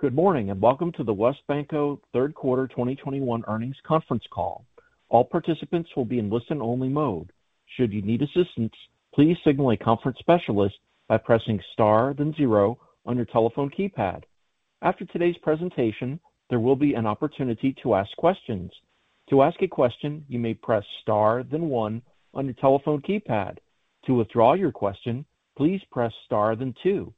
Good morning, and welcome to the WesBanco third quarter 2021 earnings conference call. All participants will be in listen-only mode. Should you need assistance, please signal a conference specialist by pressing Star, then zero on your telephone keypad. After today's presentation, there will be an opportunity to ask questions. To ask a question, you may press Star then one on your telephone keypad. To withdraw your question, please press Star then two.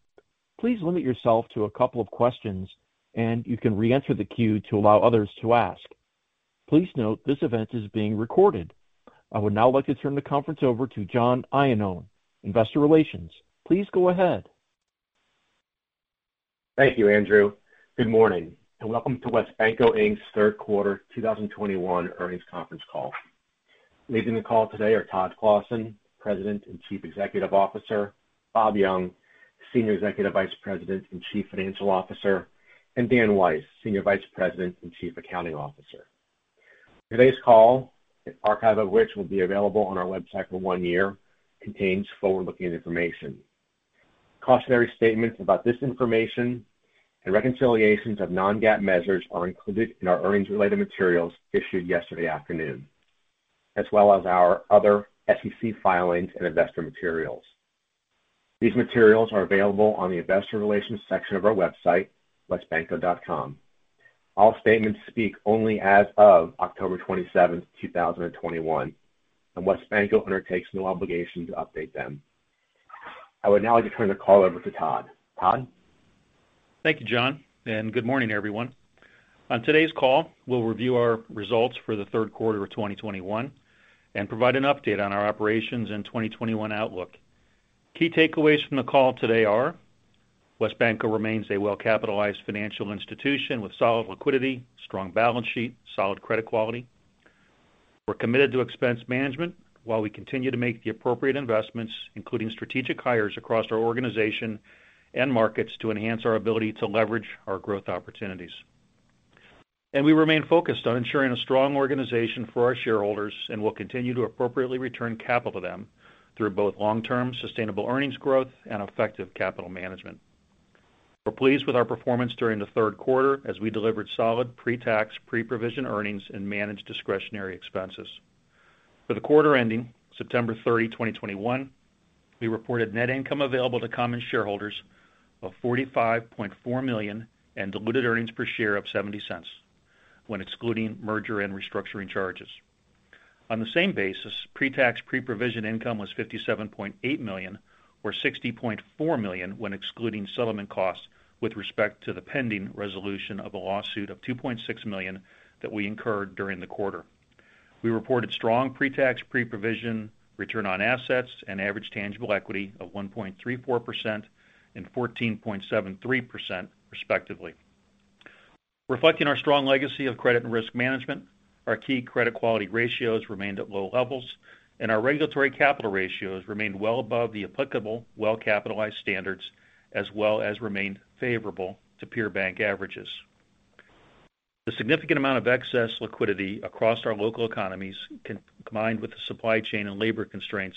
Please limit yourself to a couple of questions and you can re-enter the queue to allow others to ask. Please note this event is being recorded. I would now like to turn the conference over to John Iannone, investor relations. Please go ahead. Thank you, Andrew. Good morning, and welcome to WesBanco, Inc.'s third quarter 2021 earnings conference call. Leading the call today are Todd Clossin, President and Chief Executive Officer, Bob Young, Senior Executive Vice President and Chief Financial Officer, and Dan Weiss, Senior Vice President and Chief Accounting Officer. Today's call, an archive of which will be available on our website for one year, contains forward-looking information. Cautionary statements about this information and reconciliations of non-GAAP measures are included in our earnings-related materials issued yesterday afternoon, as well as our other SEC filings and investor materials. These materials are available on the investor relations section of our website, wesbanco.com. All statements speak only as of October 27th, 2021, and WesBanco undertakes no obligation to update them. I would now like to turn the call over to Todd. Todd. Thank you, John, and good morning, everyone. On today's call, we'll review our results for the third quarter of 2021 and provide an update on our operations in 2021 outlook. Key takeaways from the call today are WesBanco remains a well-capitalized financial institution with solid liquidity, strong balance sheet, solid credit quality. We're committed to expense management while we continue to make the appropriate investments, including strategic hires across our organization and markets to enhance our ability to leverage our growth opportunities. We remain focused on ensuring a strong organization for our shareholders and will continue to appropriately return capital to them through both long-term sustainable earnings growth and effective capital management. We're pleased with our performance during the third quarter as we delivered solid pre-tax, pre-provision earnings and managed discretionary expenses. For the quarter ending September 30, 2021, we reported net income available to common shareholders of $45.4 million and diluted earnings per share of $0.70 when excluding merger and restructuring charges. On the same basis, pre-tax, pre-provision income was $57.8 million or $60.4 million when excluding settlement costs with respect to the pending resolution of a lawsuit of $2.6 million that we incurred during the quarter. We reported strong pre-tax, pre-provision return on assets and average tangible equity of 1.34% and 14.73% respectively. Reflecting our strong legacy of credit and risk management, our key credit quality ratios remained at low levels, and our regulatory capital ratios remained well above the applicable well-capitalized standards as well as remained favorable to peer bank averages. The significant amount of excess liquidity across our local economies, combined with the supply chain and labor constraints,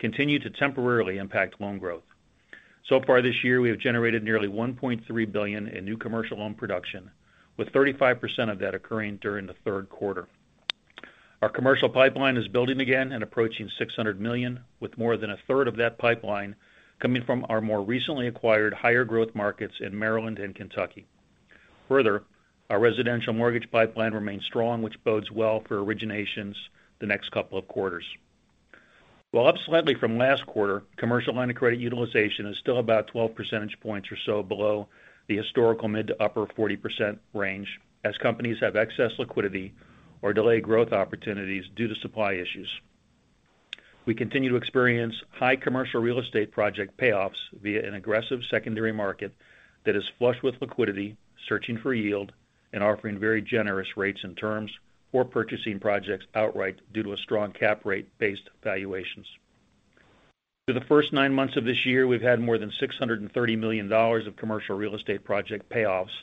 continue to temporarily impact loan growth. So far this year, we have generated nearly $1.3 billion in new commercial loan production, with 35% of that occurring during the third quarter. Our commercial pipeline is building again and approaching $600 million, with more than a third of that pipeline coming from our more recently acquired higher growth markets in Maryland and Kentucky. Further, our residential mortgage pipeline remains strong, which bodes well for originations the next couple of quarters. While up slightly from last quarter, commercial line of credit utilization is still about 12 percentage points or so below the historical mid- to upper-40% range as companies have excess liquidity or delayed growth opportunities due to supply issues. We continue to experience high commercial real estate project payoffs via an aggressive secondary market that is flush with liquidity, searching for yield, and offering very generous rates and terms or purchasing projects outright due to a strong cap rate based valuations. Through the first nine months of this year, we've had more than $630 million of commercial real estate project payoffs,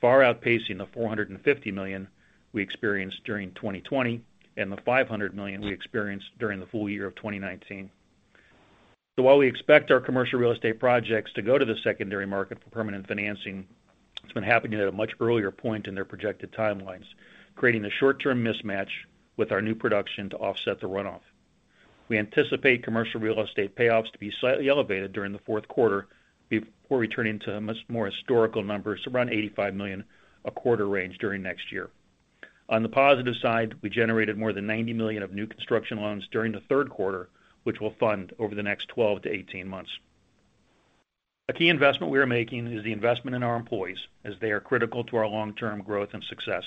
far outpacing the $450 million we experienced during 2020 and the $500 million we experienced during the full year of 2019. While we expect our commercial real estate projects to go to the secondary market for permanent financing, it's been happening at a much earlier point in their projected timelines, creating a short-term mismatch with our new production to offset the runoff. We anticipate commercial real estate payoffs to be slightly elevated during the fourth quarter before returning to much more historical numbers around $85 million a quarter range during next year. On the positive side, we generated more than $90 million of new construction loans during the third quarter, which will fund over the next 12 to 18 months. A key investment we are making is the investment in our employees as they are critical to our long-term growth and success.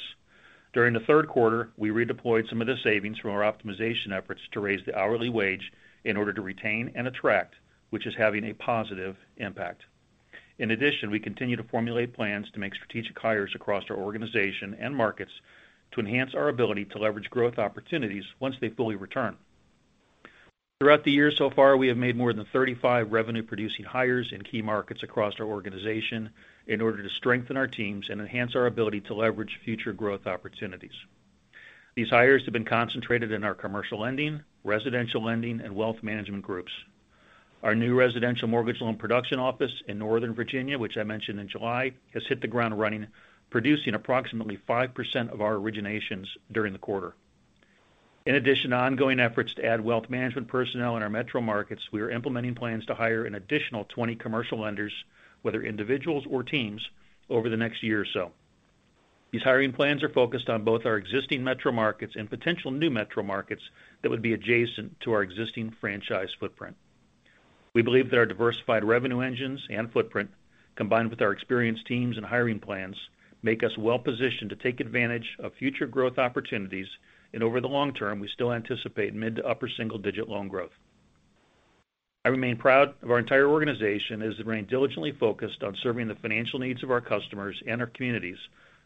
During the third quarter, we redeployed some of the savings from our optimization efforts to raise the hourly wage in order to retain and attract, which is having a positive impact. In addition, we continue to formulate plans to make strategic hires across our organization and markets to enhance our ability to leverage growth opportunities once they fully return. Throughout the year so far, we have made more than 35 revenue producing hires in key markets across our organization in order to strengthen our teams and enhance our ability to leverage future growth opportunities. These hires have been concentrated in our commercial lending, residential lending, and wealth management groups. Our new residential mortgage loan production office in Northern Virginia, which I mentioned in July, has hit the ground running, producing approximately 5% of our originations during the quarter. In addition to ongoing efforts to add wealth management personnel in our metro markets, we are implementing plans to hire an additional 20 commercial lenders, whether individuals or teams, over the next year or so. These hiring plans are focused on both our existing metro markets and potential new metro markets that would be adjacent to our existing franchise footprint. We believe that our diversified revenue engines and footprint, combined with our experienced teams and hiring plans, make us well-positioned to take advantage of future growth opportunities. Over the long term, we still anticipate mid- to upper-single-digit loan growth. I remain proud of our entire organization as it remained diligently focused on serving the financial needs of our customers and our communities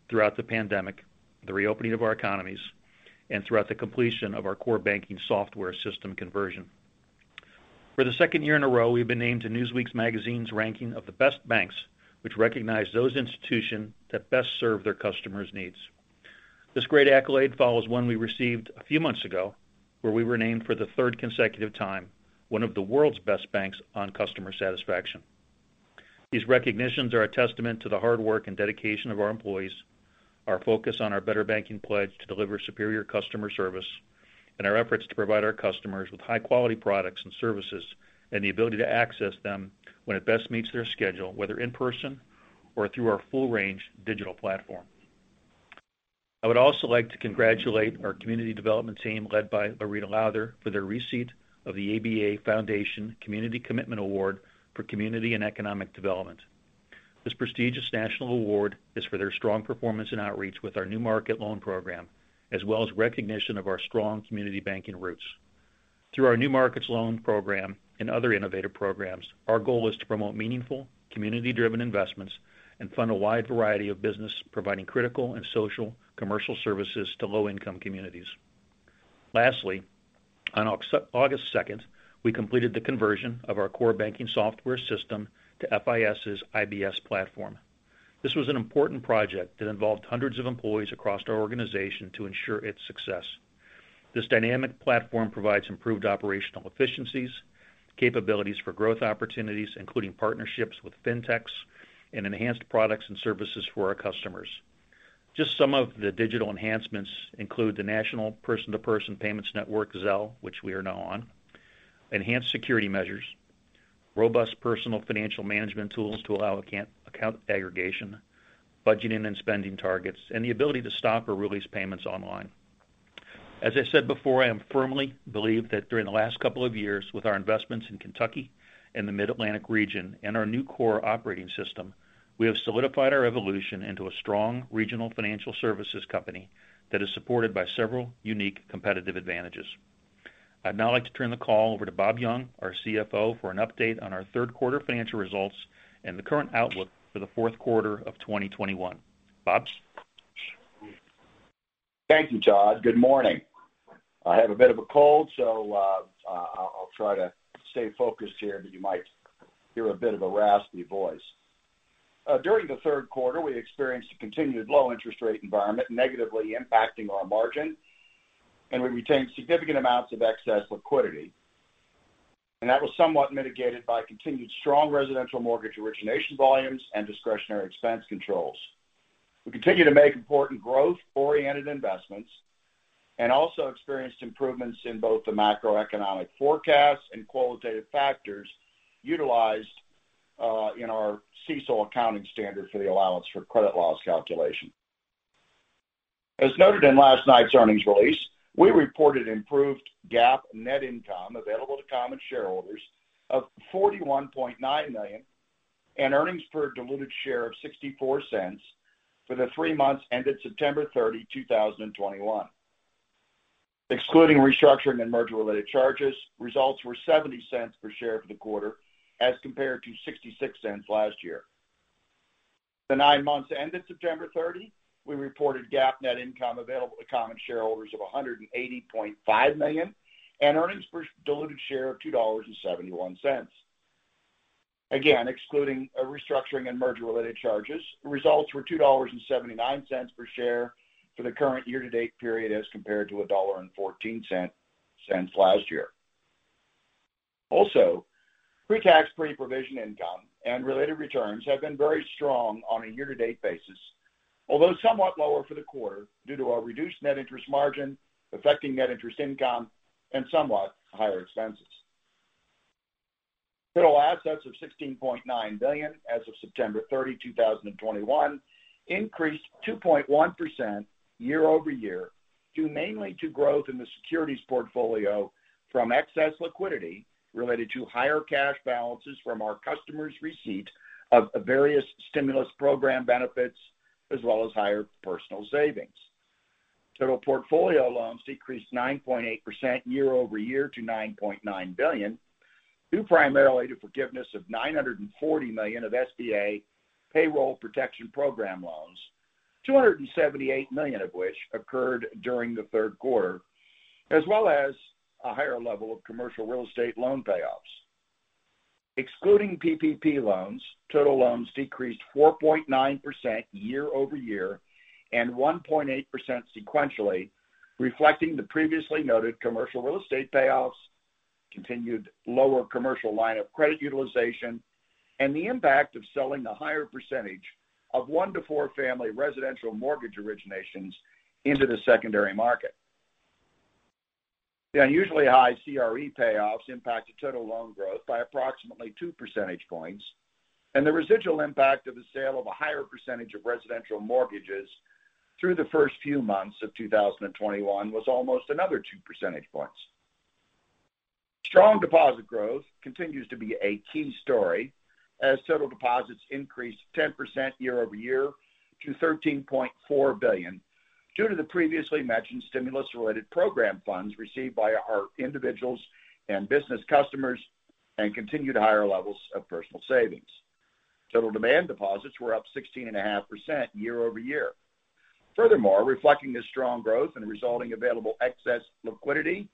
throughout the pandemic, the reopening of our economies, and throughout the completion of our core banking software system conversion. For the second year in a row, we've been named to Newsweek Magazine's ranking of the best banks, which recognize those institutions that best serve their customers' needs. This great accolade follows one we received a few months ago, where we were named for the third consecutive time one of the world's best banks on customer satisfaction. These recognitions are a testament to the hard work and dedication of our employees, our focus on our better banking pledge to deliver superior customer service, and our efforts to provide our customers with high-quality products and services, and the ability to access them when it best meets their schedule, whether in person or through our full range digital platform. I would also like to congratulate our community development team, led by LaReta Lowther, for their receipt of the ABA Foundation Community Commitment Award for Community and Economic Development. This prestigious national award is for their strong performance and outreach with our New Markets Loan Program, as well as recognition of our strong community banking roots. Through our New Markets Loan Program and other innovative programs, our goal is to promote meaningful, community-driven investments and fund a wide variety of business providing critical and social commercial services to low-income communities. Lastly, on August second, we completed the conversion of our core banking software system to FIS's IBS platform. This was an important project that involved hundreds of employees across our organization to ensure its success. This dynamic platform provides improved operational efficiencies, capabilities for growth opportunities, including partnerships with Fintechs, and enhanced products and services for our customers. Just some of the digital enhancements include the national person-to-person payments network, Zelle, which we are now on, enhanced security measures, robust personal financial management tools to allow account aggregation, budgeting and spending targets, and the ability to stop or release payments online. As I said before, I firmly believe that during the last couple of years, with our investments in Kentucky and the Mid-Atlantic region and our new core operating system, we have solidified our evolution into a strong regional financial services company that is supported by several unique competitive advantages. I'd now like to turn the call over to Bob Young, our CFO, for an update on our third quarter financial results and the current outlook for the fourth quarter of 2021. Bob? Thank you, Todd. Good morning. I have a bit of a cold, so I'll try to stay focused here, but you might hear a bit of a raspy voice. During the third quarter, we experienced a continued low interest rate environment negatively impacting our margin, and we retained significant amounts of excess liquidity. That was somewhat mitigated by continued strong residential mortgage origination volumes and discretionary expense controls. We continued to make important growth-oriented investments and also experienced improvements in both the macroeconomic forecasts and qualitative factors utilized in our CECL accounting standard for the allowance for credit loss calculation. As noted in last night's earnings release, we reported improved GAAP net income available to common shareholders of $41.9 million, and earnings per diluted share of $0.64 for the three months ended September 30, 2021. Excluding restructuring and merger-related charges, results were $0.70 per share for the quarter as compared to $0.66 last year. For the nine months ended September 30, we reported GAAP net income available to common shareholders of $180.5 million, and earnings per diluted share of $2.71. Again, excluding restructuring and merger-related charges, results were $2.79 per share for the current year-to-date period as compared to $1.14 last year. Pre-tax, pre-provision income and related returns have been very strong on a year-to-date basis, although somewhat lower for the quarter due to our reduced net interest margin affecting net interest income and somewhat higher expenses. Total assets of $16.9 billion as of September 30, 2021, increased 2.1% year-over-year, due mainly to growth in the securities portfolio from excess liquidity related to higher cash balances from our customers' receipt of various stimulus program benefits, as well as higher personal savings. Total portfolio loans decreased 9.8% year-over-year to $9.9 billion, due primarily to forgiveness of $940 million of SBA Paycheck Protection Program loans, $278 million of which occurred during the third quarter, as well as a higher level of commercial real estate loan payoffs. Excluding PPP loans, total loans decreased 4.9% year-over-year and 1.8% sequentially, reflecting the previously noted commercial real estate payoffs, continued lower commercial line of credit utilization, and the impact of selling a higher percentage of one to four family residential mortgage originations into the secondary market. The unusually high CRE payoffs impacted total loan growth by approximately 2 percentage points, and the residual impact of the sale of a higher percentage of residential mortgages through the first few months of 2021 was almost another 2 percentage points. Strong deposit growth continues to be a key story as total deposits increased 10% year-over-year to $13.4 billion, due to the previously mentioned stimulus-related program funds received by our individuals and business customers and continued higher levels of personal savings. Total demand deposits were up 16.5% year-over-year. Furthermore, reflecting this strong growth and resulting available excess liquidity,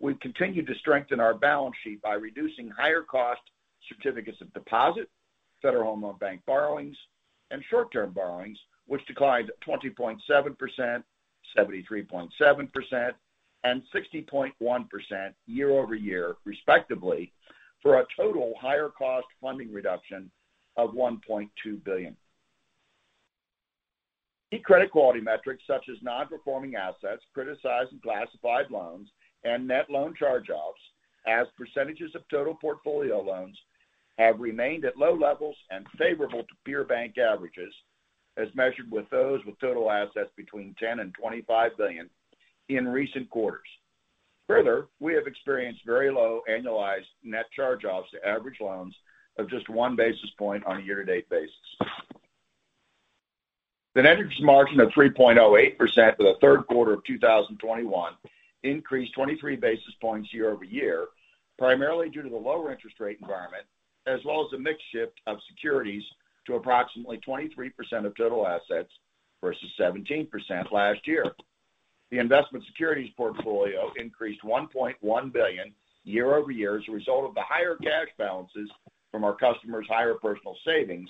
we've continued to strengthen our balance sheet by reducing higher cost certificates of deposit, Federal Home Loan Bank borrowings, and short-term borrowings, which declined 20.7%, 73.7%, and 60.1% year-over-year respectively, for a total higher cost funding reduction of $1.2 billion. Key credit quality metrics such as non-performing assets, criticized and classified loans, and net loan charge-offs as percentages of total portfolio loans have remained at low levels and favorable to peer bank averages as measured with those with total assets between $10 billion and $25 billion in recent quarters. Further, we have experienced very low annualized net charge-offs to average loans of just one basis point on a year-to-date basis. The net interest margin of 3.08% for the third quarter of 2021 increased 23 basis points year-over-year, primarily due to the lower interest rate environment as well as the mix shift of securities to approximately 23% of total assets versus 17% last year. The investment securities portfolio increased $1.1 billion year-over-year as a result of the higher cash balances from our customers' higher personal savings,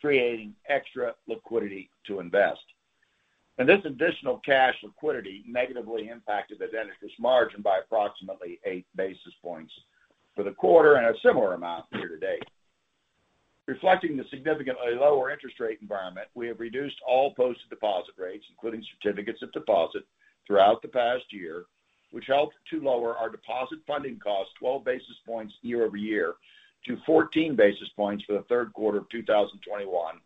creating extra liquidity to invest. This additional cash liquidity negatively impacted the net interest margin by approximately 8 basis points for the quarter and a similar amount year to date. Reflecting the significantly lower interest rate environment, we have reduced all posted deposit rates, including certificates of deposit, throughout the past year, which helped to lower our deposit funding cost 12 basis points year-over-year to 14 basis points for the third quarter of 2021,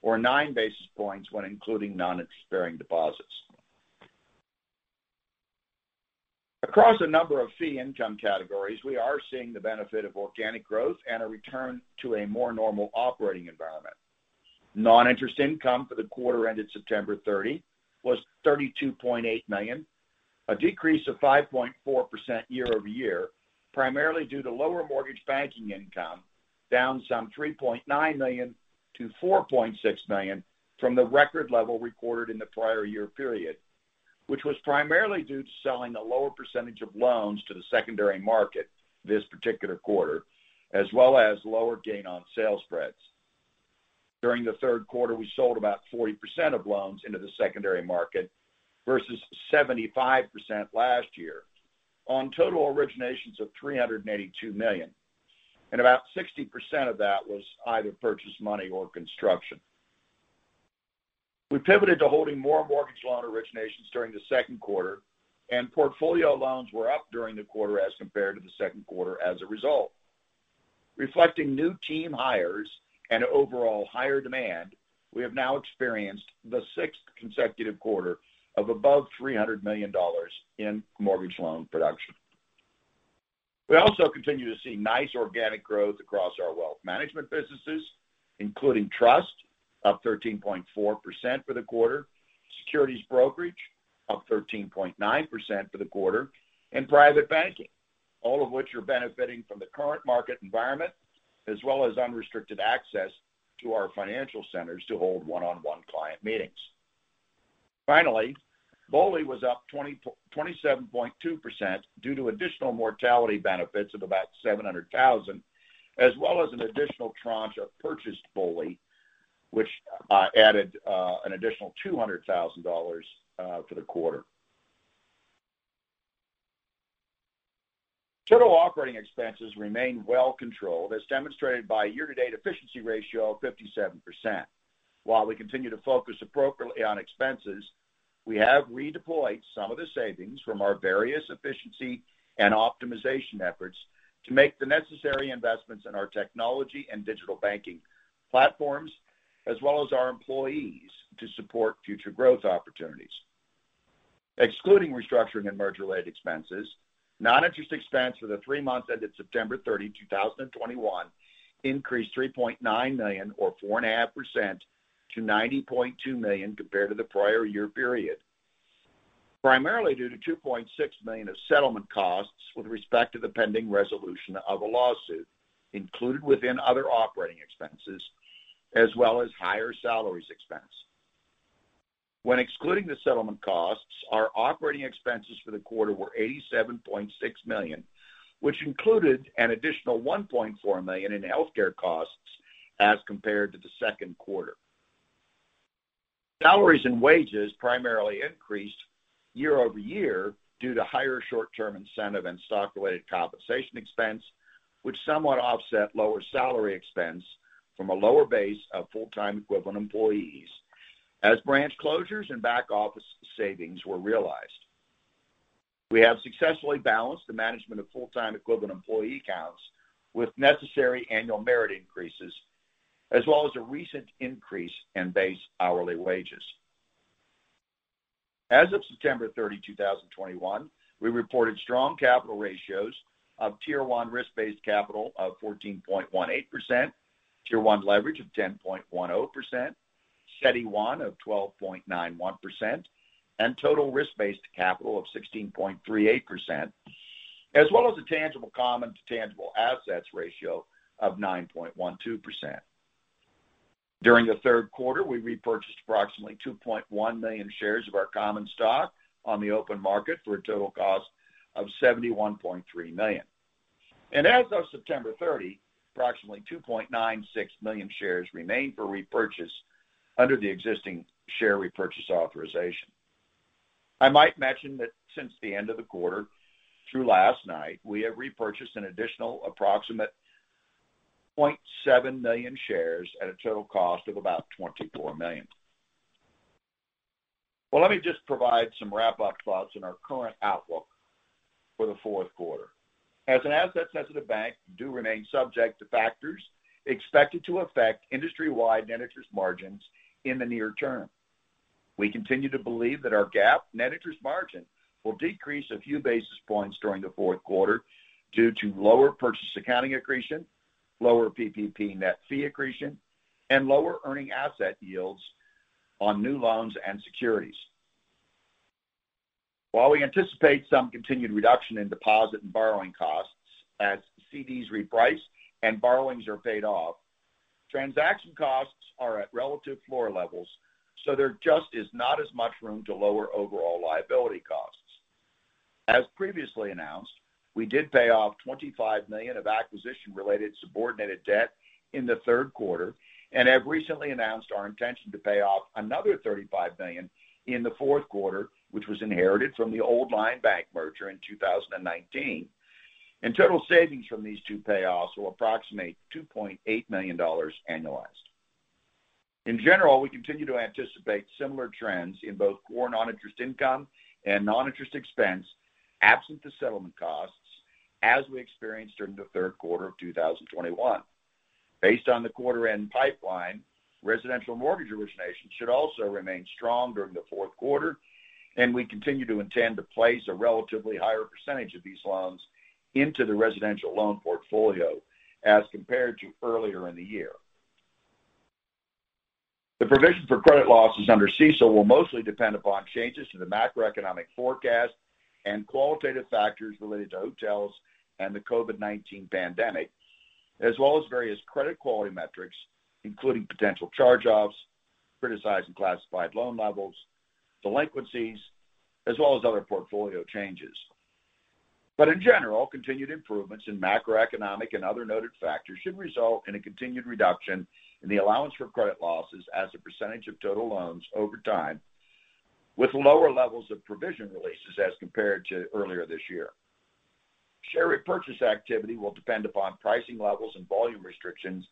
or nine basis points when including non-interest bearing deposits. Across a number of fee income categories, we are seeing the benefit of organic growth and a return to a more normal operating environment. Non-interest income for the quarter ended September 30 was $32.8 million, a decrease of 5.4% year-over-year, primarily due to lower mortgage banking income, down some $3.9 million to $4.6 million from the record level recorded in the prior year period, which was primarily due to selling a lower percentage of loans to the secondary market this particular quarter, as well as lower gain on sales spreads. During the third quarter, we sold about 40% of loans into the secondary market versus 75% last year on total originations of $382 million, and about 60% of that was either purchase money or construction. We pivoted to holding more mortgage loan originations during the second quarter, and portfolio loans were up during the quarter as compared to the second quarter as a result. Reflecting new team hires and overall higher demand, we have now experienced the sixth consecutive quarter of above $300 million in mortgage loan production. We also continue to see nice organic growth across our wealth management businesses, including trust, up 13.4% for the quarter, securities brokerage, up 13.9% for the quarter, and private banking, all of which are benefiting from the current market environment as well as unrestricted access to our financial centers to hold one-on-one client meetings. Finally, BOLI was up 27.2% due to additional mortality benefits of about $700,000, as well as an additional tranche of purchased BOLI, which added an additional $200,000 for the quarter. Total operating expenses remain well controlled, as demonstrated by a year-to-date efficiency ratio of 57%. While we continue to focus appropriately on expenses, we have redeployed some of the savings from our various efficiency and optimization efforts to make the necessary investments in our technology and digital banking platforms, as well as our employees to support future growth opportunities. Excluding restructuring and merger-related expenses, non-interest expense for the three months ended September 30, 2021 increased $3.9 million or 4.5% to $90.2 million compared to the prior year period, primarily due to $2.6 million of settlement costs with respect to the pending resolution of a lawsuit included within other operating expenses as well as higher salaries expense. When excluding the settlement costs, our operating expenses for the quarter were $87.6 million, which included an additional $1.4 million in healthcare costs as compared to the second quarter. Salaries and wages primarily increased year-over-year due to higher short-term incentive and stock related compensation expense, which somewhat offset lower salary expense from a lower base of full-time equivalent employees as branch closures and back office savings were realized. We have successfully balanced the management of full-time equivalent employee counts with necessary annual merit increases, as well as a recent increase in base hourly wages. As of September 30, 2021, we reported strong capital ratios of Tier 1 risk-based capital of 14.18%, Tier 1 leverage of 10.10%, CET1 of 12.91%, and total risk-based capital of 16.38%, as well as a tangible common to tangible assets ratio of 9.12%. During the third quarter, we repurchased approximately 2.1 million shares of our common stock on the open market for a total cost of $71.3 million. As of September 30, approximately 2.96 million shares remain for repurchase under the existing share repurchase authorization. I might mention that since the end of the quarter through last night, we have repurchased an additional approximate 0.7 million shares at a total cost of about $24 million. Well, let me just provide some wrap up thoughts on our current outlook for the fourth quarter. As an asset sensitive bank, we do remain subject to factors expected to affect industry-wide net interest margins in the near term. We continue to believe that our GAAP net interest margin will decrease a few basis points during the fourth quarter due to lower purchase accounting accretion, lower PPP net fee accretion, and lower earning asset yields on new loans and securities. While we anticipate some continued reduction in deposit and borrowing costs as CDs reprice and borrowings are paid off, transaction costs are at relative floor levels, so there just is not as much room to lower overall liability costs. As previously announced, we did pay off $25 million of acquisition related subordinated debt in the third quarter and have recently announced our intention to pay off another $35 million in the fourth quarter, which was inherited from the Old Line Bank merger in 2019. Total savings from these two payoffs will approximate $2.8 million annualized. In general, we continue to anticipate similar trends in both core non-interest income and non-interest expense absent the settlement costs as we experienced during the third quarter of 2021. Based on the quarter-end pipeline, residential mortgage origination should also remain strong during the fourth quarter, and we continue to intend to place a relatively higher percentage of these loans into the residential loan portfolio as compared to earlier in the year. The provision for credit losses under CECL will mostly depend upon changes to the macroeconomic forecast and qualitative factors related to hotels and the COVID-19 pandemic, as well as various credit quality metrics, including potential charge-offs, criticized and classified loan levels, delinquencies, as well as other portfolio changes. In general, continued improvements in macroeconomic and other noted factors should result in a continued reduction in the allowance for credit losses as a percentage of total loans over time, with lower levels of provision releases as compared to earlier this year. Share repurchase activity will depend upon pricing levels and volume restrictions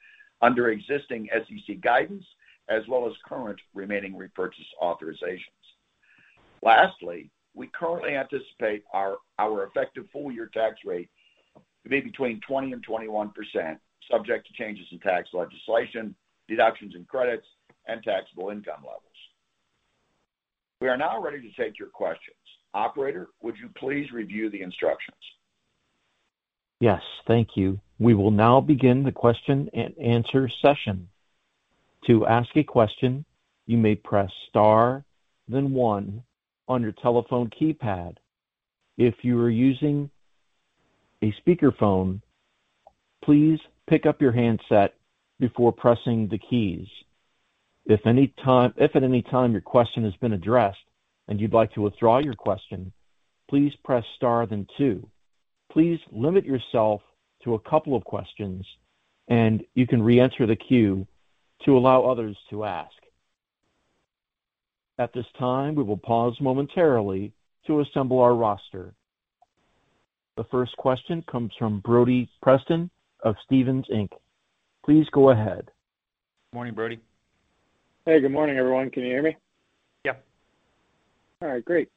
under existing SEC guidance, as well as current remaining repurchase authorizations. Lastly, we currently anticipate our effective full year tax rate to be between 20% and 21%, subject to changes in tax legislation, deductions and credits, and taxable income levels. We are now ready to take your questions. Operator, would you please review the instructions? Yes, thank you. We will now begin the question and answer session. To ask a question, you may press star then one on your telephone keypad. If you are using a speakerphone, please pick up your handset before pressing the keys. If at any time your question has been addressed and you'd like to withdraw your question, please press star then two. Please limit yourself to a couple of questions and you can reenter the queue to allow others to ask. At this time, we will pause momentarily to assemble our roster. The first question comes from Brody Preston of Stephens Inc. Please go ahead. Morning, Brody. Hey, good morning, everyone. Can you hear me? Yeah. All right, great.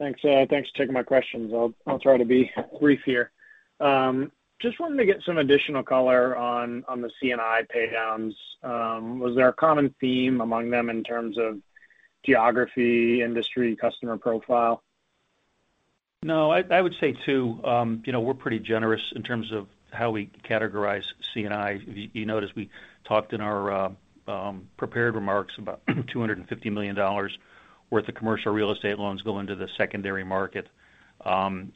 Thanks, thanks for taking my questions. I'll try to be brief here. Just wanted to get some additional color on the C&I pay downs. Was there a common theme among them in terms of geography, industry, customer profile? No, I would say too, you know, we're pretty generous in terms of how we categorize C&I. You noticed we talked in our prepared remarks about $250 million worth of commercial real estate loans go into the secondary market. A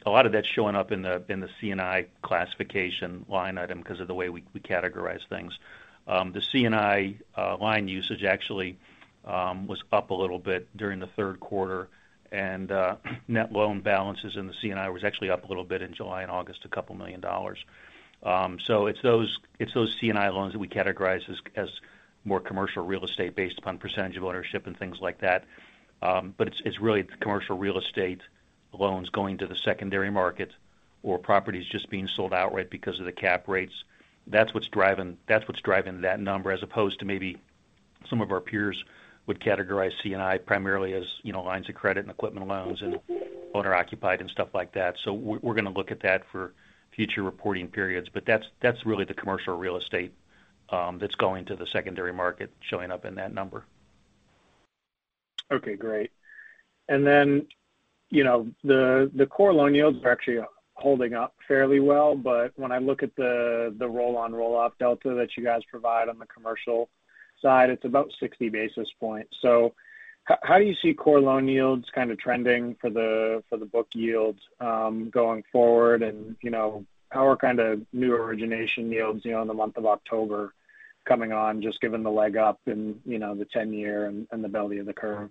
lot of that's showing up in the C&I classification line item because of the way we categorize things. The C&I line usage actually was up a little bit during the third quarter. Net loan balances in the C&I was actually up a little bit in July and August, $2 million. It's those C&I loans that we categorize as more commercial real estate based upon percentage of ownership and things like that. It's really the commercial real estate loans going to the secondary market or properties just being sold outright because of the cap rates. That's what's driving that number as opposed to maybe some of our peers would categorize C&I primarily as, you know, lines of credit and equipment loans and owner-occupied and stuff like that. We're gonna look at that for future reporting periods. That's really the commercial real estate that's going to the secondary market showing up in that number. Okay, great. You know, the core loan yields are actually holding up fairly well, but when I look at the roll on roll-off delta that you guys provide on the commercial side, it's about 60 basis points. How do you see core loan yields kind of trending for the book yields going forward? You know, how are kind of new origination yields, you know, in the month of October coming on, just given the leg up and, you know, the ten-year and the belly of the curve?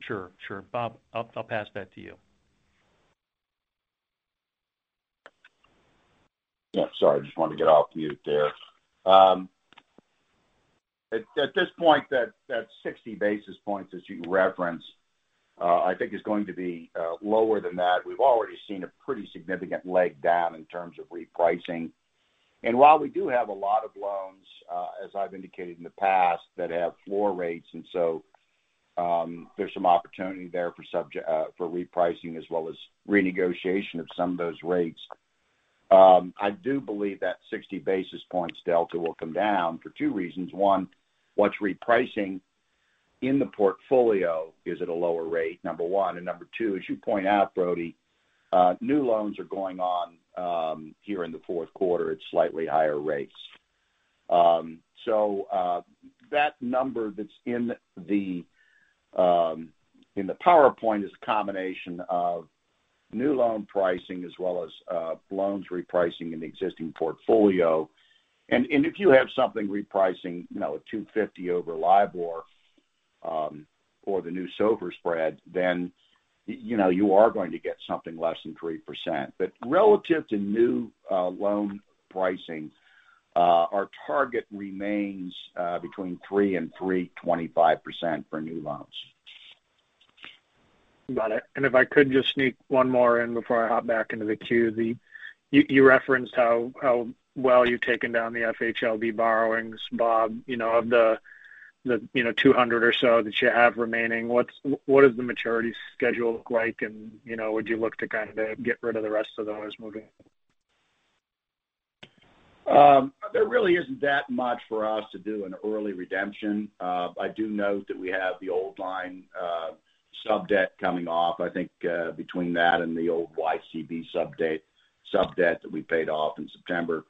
Sure, sure. Bob, I'll pass that to you. Yeah, sorry. I just wanted to get off mute there. At this point, that 60 basis points as you referenced, I think is going to be lower than that. We've already seen a pretty significant leg down in terms of repricing. While we do have a lot of loans, as I've indicated in the past, that have floor rates, there's some opportunity there for repricing as well as renegotiation of some of those rates. I do believe that 60 basis points delta will come down for two reasons. One, what's repricing in the portfolio is at a lower rate, number one. Number two, as you point out, Brody, new loans are going on here in the fourth quarter at slightly higher rates. That number that's in the PowerPoint is a combination of new loan pricing as well as loans repricing in the existing portfolio. If you have something repricing, you know, at 2.50 over LIBOR or the new SOFR spread, then you know, you are going to get something less than 3%. Relative to new loan pricing, our target remains between 3% and 3.25% for new loans. Got it. If I could just sneak one more in before I hop back into the queue. You referenced how well you've taken down the FHLB borrowings, Bob, you know, of the $200 or so that you have remaining. What does the maturity schedule look like? You know, would you look to kind of get rid of the rest of those moving? There really isn't that much for us to do an early redemption. I do note that we have the Old Line sub-debt coming off. I think between that and the old YCB sub-debt that we paid off in September,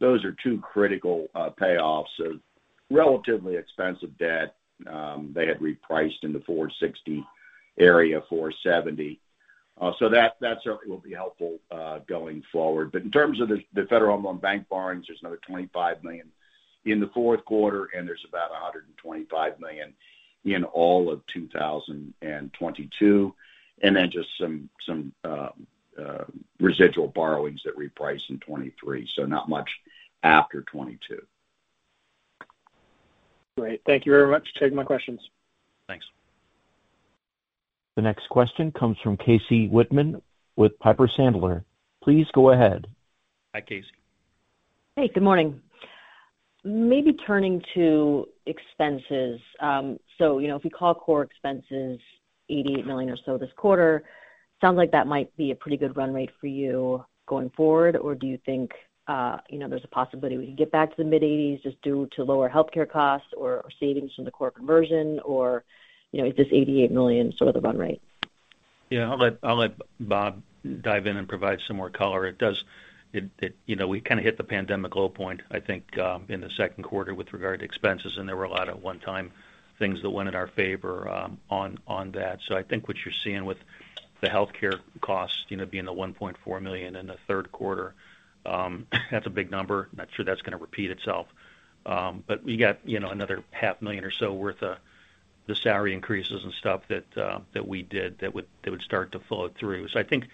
those are two critical payoffs of relatively expensive debt. They had repriced in the 4.60 area, 4.70. That certainly will be helpful going forward. In terms of the Federal Home Loan Bank borrowings, there's another $25 million in the fourth quarter, and there's about $125 million in all of 2022. Then just some residual borrowings that reprice in 2023. Not much after 2022. Great. Thank you very much. Those are my questions. Thanks. The next question comes from Casey Whitman with Piper Sandler. Please go ahead. Hi, Casey. Hey, good morning. Maybe turning to expenses. So, you know, if we call core expenses $88 million or so this quarter, sounds like that might be a pretty good run rate for you going forward. Or do you think, you know, there's a possibility we can get back to the mid-$80s million just due to lower healthcare costs or savings from the core conversion? Or, you know, is this $88 million sort of the run rate? Yeah. I'll let Bob dive in and provide some more color. It does you know, we kind of hit the pandemic low point, I think, in the second quarter with regard to expenses, and there were a lot of one-time things that went in our favor, on that. I think what you're seeing with the healthcare costs, you know, being the $1.4 million in the third quarter, that's a big number. Not sure that's going to repeat itself. We got, you know, another $0.5 million or so worth the salary increases and stuff that we did that would start to flow through. I think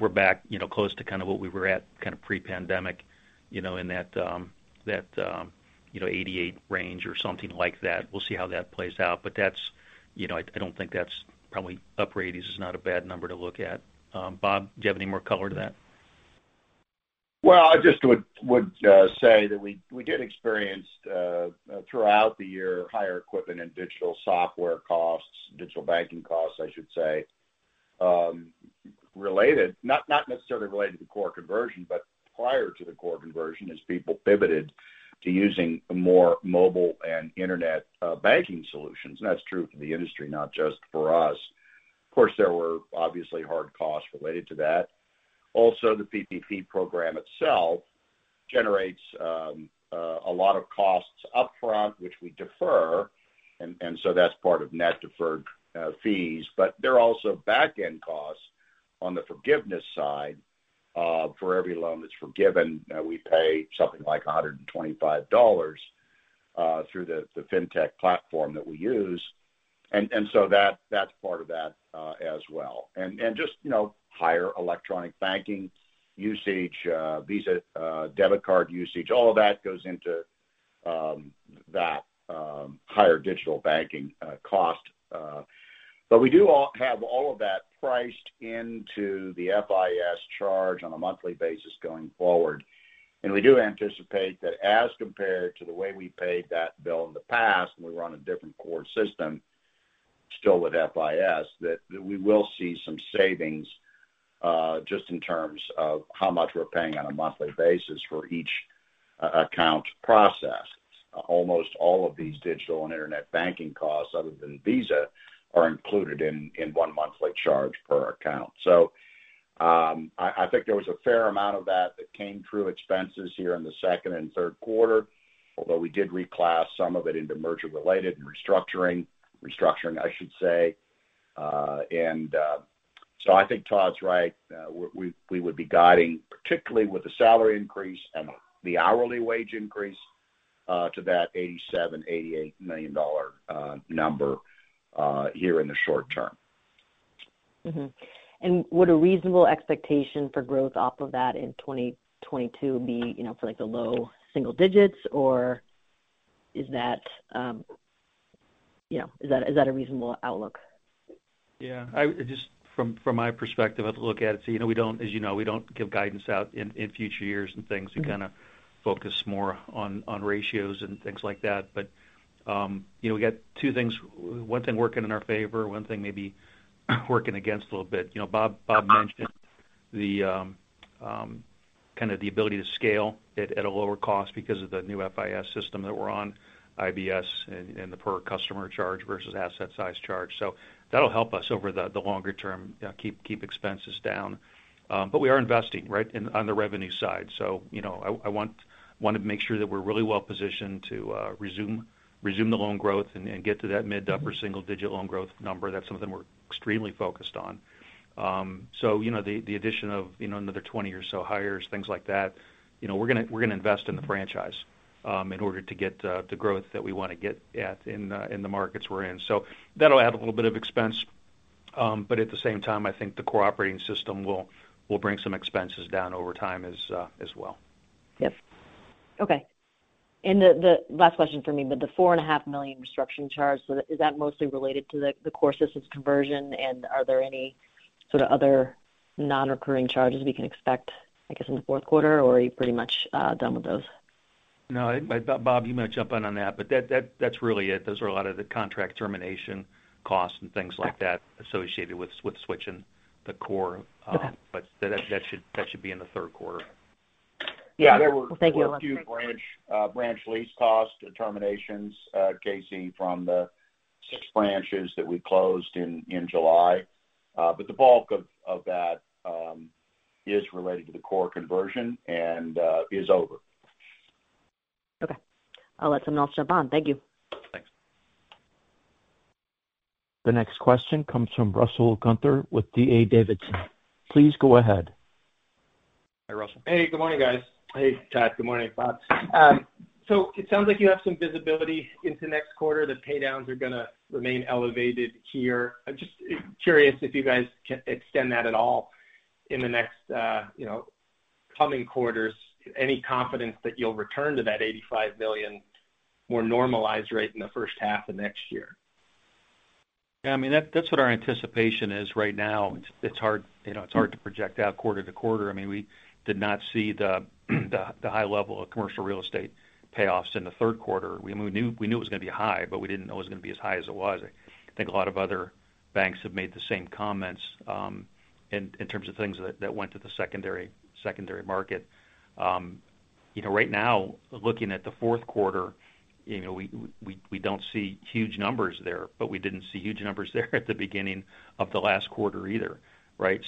we're back, you know, close to kind of what we were at kind of pre-pandemic, you know, in that you know $88 million range or something like that. We'll see how that plays out. That's you know, I don't think that's probably upper 80s is not a bad number to look at. Bob, do you have any more color to that? Well, I just would say that we did experience throughout the year higher equipment and digital software costs, digital banking costs, I should say, related, not necessarily to the core conversion, but prior to the core conversion, as people pivoted to using more mobile and internet banking solutions. That's true for the industry, not just for us. Of course, there were obviously hard costs related to that. Also, the PPP program itself generates a lot of costs upfront, which we defer. So that's part of net deferred fees. But there are also back-end costs on the forgiveness side. For every loan that's forgiven, we pay something like $125 through the fintech platform that we use. That's part of that as well. Just, you know, higher electronic banking usage, Visa debit card usage, all of that goes into that higher digital banking cost. We do have all of that priced into the FIS charge on a monthly basis going forward. We do anticipate that as compared to the way we paid that bill in the past, and we run a different core system still with FIS, we will see some savings just in terms of how much we're paying on a monthly basis for each account processed. Almost all of these digital and internet banking costs other than Visa are included in one monthly charge per account. I think there was a fair amount of that that came through expenses here in the second and third quarter, although we did reclass some of it into merger-related and restructuring, I should say. I think Todd's right. We would be guiding, particularly with the salary increase and the hourly wage increase, to that $87 million-$88 million number here in the short term. Mm-hmm. Would a reasonable expectation for growth off of that in 2022 be, you know, for, like, the low single digits? Or is that, you know, is that a reasonable outlook? Yeah. Just from my perspective, I have to look at it. You know, as you know, we don't give guidance out in future years and things. Mm-hmm. We kind of focus more on ratios and things like that. You know, we got two things. One thing working in our favor, one thing maybe working against a little bit. You know, Bob mentioned the kind of ability to scale at a lower cost because of the new FIS system that we're on, IBS and the per customer charge versus asset size charge. That'll help us over the longer term keep expenses down. We are investing, right, on the revenue side. You know, I want to make sure that we're really well positioned to resume the loan growth and get to that mid- to upper single-digit loan growth number. That's something we're extremely focused on. You know, the addition of you know, another 20 or so hires, things like that, you know, we're gonna invest in the franchise in order to get the growth that we wanna get at in the markets we're in. That'll add a little bit of expense. At the same time, I think the core operating system will bring some expenses down over time as well. Yep. Okay. The last question for me, but the $4.5 million restructuring charge, so is that mostly related to the core systems conversion? Are there any sort of other non-recurring charges we can expect, I guess, in the fourth quarter? Or are you pretty much done with those? No. Bob, you may jump in on that. That's really it. Those are a lot of the contract termination costs and things like that. Okay. Associated with switching the core. Okay. That should be in the third quarter. Yeah. Well, thank you. There were a few branch lease cost terminations, Casey, from the six branches that we closed in July. The bulk of that is related to the core conversion and is over. Okay. I'll let someone else jump on. Thank you. Thanks. The next question comes from Russell Gunther with D.A. Davidson. Please go ahead. Hi, Russell. Hey, good morning, guys. Hey, Todd. Good morning, Bob. It sounds like you have some visibility into next quarter. The paydowns are gonna remain elevated here. I'm just curious if you guys can extend that at all in the next, you know, coming quarters. Any confidence that you'll return to that $85 million more normalized rate in the first half of next year? Yeah. I mean, that's what our anticipation is right now. It's hard, you know, to project out quarter to quarter. I mean, we did not see the high level of commercial real estate payoffs in the third quarter. We knew it was gonna be high, but we didn't know it was gonna be as high as it was. I think a lot of other banks have made the same comments in terms of things that went to the secondary market. You know, right now, looking at the fourth quarter, you know, we don't see huge numbers there, but we didn't see huge numbers there at the beginning of the last quarter either, right?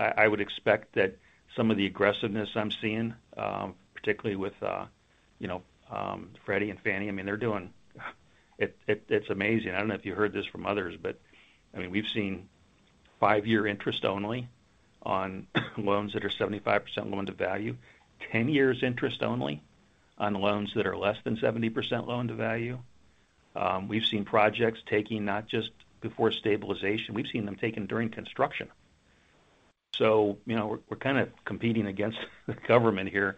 I would expect that some of the aggressiveness I'm seeing, particularly with, you know, Freddie Mac and Fannie Mae, I mean, they're doing. It's amazing. I don't know if you heard this from others, but I mean, we've seen five-year interest only on loans that are 75% loan to value, 10 years interest only on loans that are less than 70% loan to value. We've seen projects taking not just before stabilization, we've seen them taken during construction. You know, we're kind of competing against the government here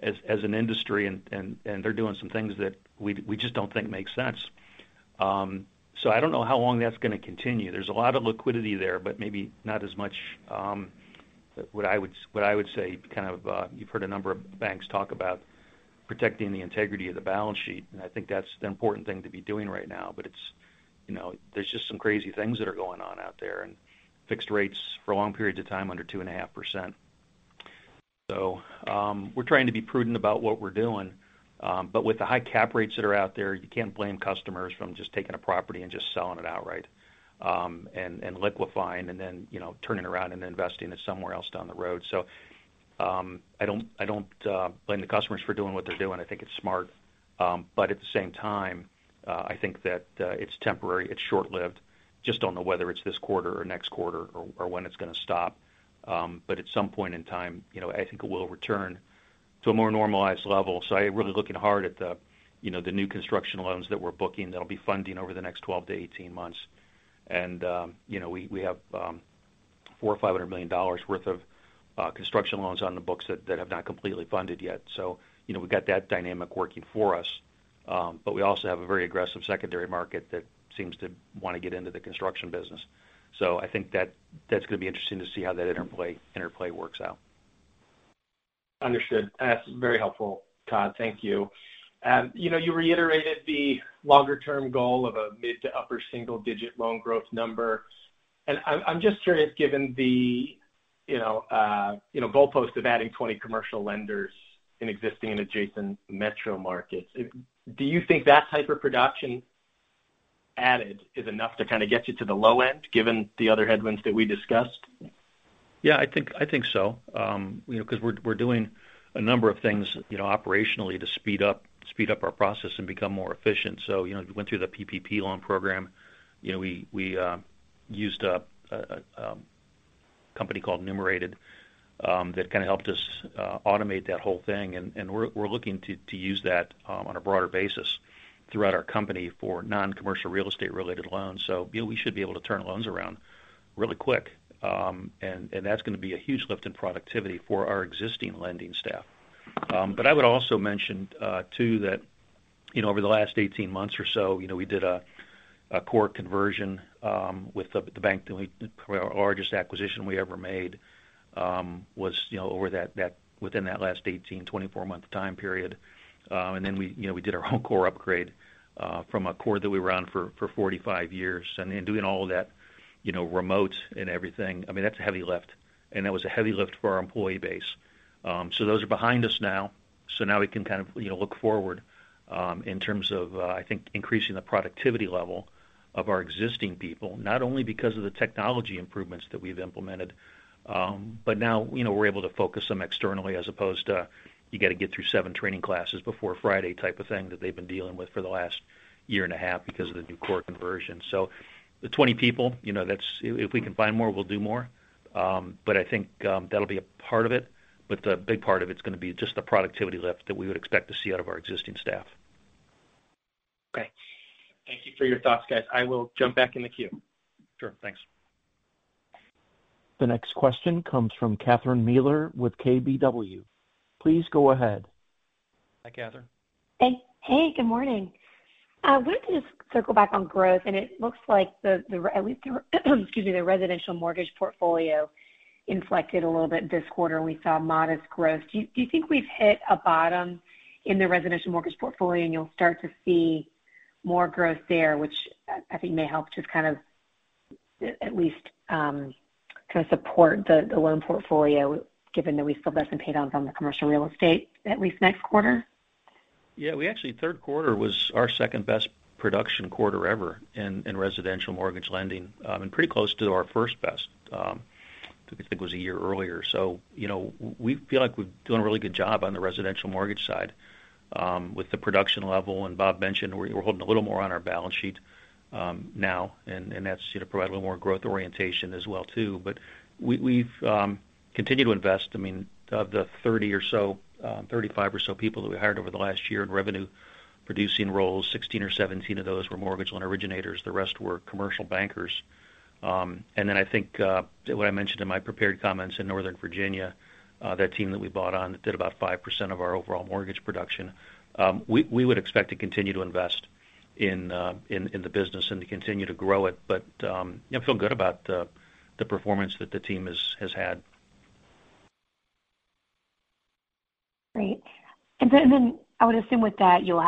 as an industry, and they're doing some things that we just don't think makes sense. I don't know how long that's gonna continue. There's a lot of liquidity there, but maybe not as much, what I would say kind of, you've heard a number of banks talk about protecting the integrity of the balance sheet, and I think that's the important thing to be doing right now. It's, you know, there's just some crazy things that are going on out there and fixed rates for long periods of time under 2.5%. We're trying to be prudent about what we're doing. With the high cap rates that are out there, you can't blame customers for just taking a property and just selling it outright, and liquefying, and then, you know, turning around and investing it somewhere else down the road. I don't blame the customers for doing what they're doing. I think it's smart. At the same time, I think that it's temporary, it's short-lived. Just don't know whether it's this quarter or next quarter or when it's gonna stop. At some point in time, you know, I think it will return to a more normalized level. I'm really looking hard at the, you know, the new construction loans that we're booking that'll be funding over the next 12-18 months. You know, we have $400 million-$500 million worth of construction loans on the books that have not completely funded yet. You know, we've got that dynamic working for us. We also have a very aggressive secondary market that seems to wanna get into the construction business. I think that's gonna be interesting to see how that interplay works out. Understood. That's very helpful, Todd. Thank you. You know, you reiterated the longer-term goal of a mid- to upper-single-digit loan growth number. I'm just curious, given the, you know, goalpost of adding 20 commercial lenders in existing and adjacent metro markets, do you think that type of production added is enough to kind of get you to the low end, given the other headwinds that we discussed? Yeah, I think so. You know, because we're doing a number of things, you know, operationally to speed up our process and become more efficient. You know, we went through the PPP loan program. You know, we used a company called Numerated that kind of helped us automate that whole thing. We're looking to use that on a broader basis throughout our company for non-commercial real estate related loans. You know, we should be able to turn loans around really quick. That's gonna be a huge lift in productivity for our existing lending staff. I would also mention too that you know over the last 18 months or so you know we did a core conversion. Probably our largest acquisition we ever made was you know over that within that last 18-24-month time period. Then we you know we did our own core upgrade from a core that we were on for 45 years. In doing all of that you know remote and everything I mean that's a heavy lift. That was a heavy lift for our employee base. Those are behind us now. Now we can kind of, you know, look forward in terms of I think increasing the productivity level of our existing people, not only because of the technology improvements that we've implemented, but now, you know, we're able to focus them externally as opposed to you got to get through seven training classes before Friday type of thing that they've been dealing with for the last year and a half because of the new core conversion. The 20 people, you know, that's if we can find more, we'll do more. I think that'll be a part of it. The big part of it's gonna be just the productivity lift that we would expect to see out of our existing staff. Okay. Thank you for your thoughts, guys. I will jump back in the queue. Sure. Thanks. The next question comes from Catherine Mealor with KBW. Please go ahead. Hi, Catherine. Hey. Hey, good morning. I wanted to just circle back on growth, and it looks like at least the residential mortgage portfolio inflected a little bit this quarter. We saw modest growth. Do you think we've hit a bottom in the residential mortgage portfolio and you'll start to see more growth there, which I think may help just kind of at least kind of support the loan portfolio, given that we still have some pay downs on the commercial real estate, at least next quarter? Yeah. We actually, third quarter was our second-best production quarter ever in residential mortgage lending, and pretty close to our first best, I think was a year earlier. You know, we feel like we're doing a really good job on the residential mortgage side with the production level. Bob mentioned, we're holding a little more on our balance sheet now. That's to provide a little more growth orientation as well, too. We've continued to invest. I mean, of the 30 or so, 35 or so people that we hired over the last year in revenue-producing roles, 16 or 17 of those were mortgage loan originators. The rest were commercial bankers. I think what I mentioned in my prepared comments in Northern Virginia, that team that we bought on that did about 5% of our overall mortgage production. We would expect to continue to invest in the business and to continue to grow it. Yeah, I feel good about the performance that the team has had. Great. I would assume with that you'll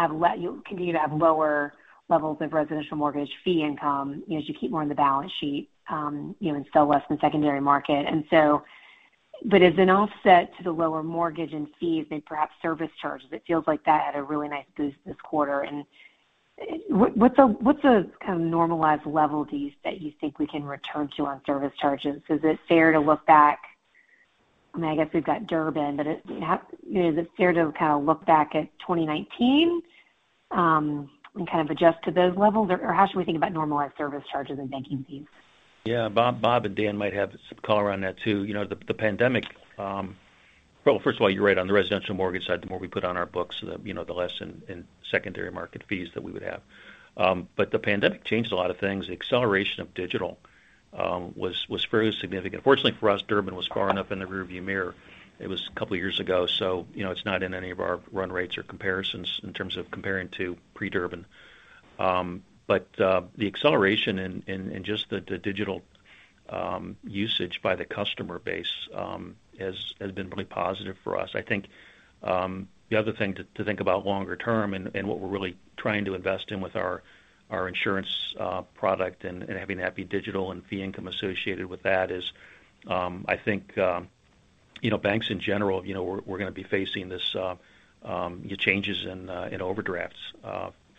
continue to have lower levels of residential mortgage fee income as you keep more on the balance sheet, you know, and sell less in the secondary market. As an offset to the lower mortgage and fees, maybe perhaps service charges, it feels like that had a really nice boost this quarter. What's the kind of normalized level that you think we can return to on service charges? Is it fair to look back? I mean, I guess we've got Durbin, but you know, is it fair to kind of look back at 2019 and kind of adjust to those levels? Or how should we think about normalized service charges and banking fees? Yeah. Bob and Dan might have some color on that, too. You know, the pandemic. Well, first of all, you're right on the residential mortgage side. The more we put on our books, you know, the less in secondary market fees that we would have. But the pandemic changed a lot of things. The acceleration of digital was very significant. Fortunately for us, Durbin was far enough in the rear view mirror. It was a couple of years ago, so you know, it's not in any of our run rates or comparisons in terms of comparing to pre-Durbin. But the acceleration in just the digital usage by the customer base has been really positive for us. I think the other thing to think about longer term and what we're really trying to invest in with our insurance product and having that be digital and fee income associated with that is. You know, banks in general, you know, we're gonna be facing this changes in overdraft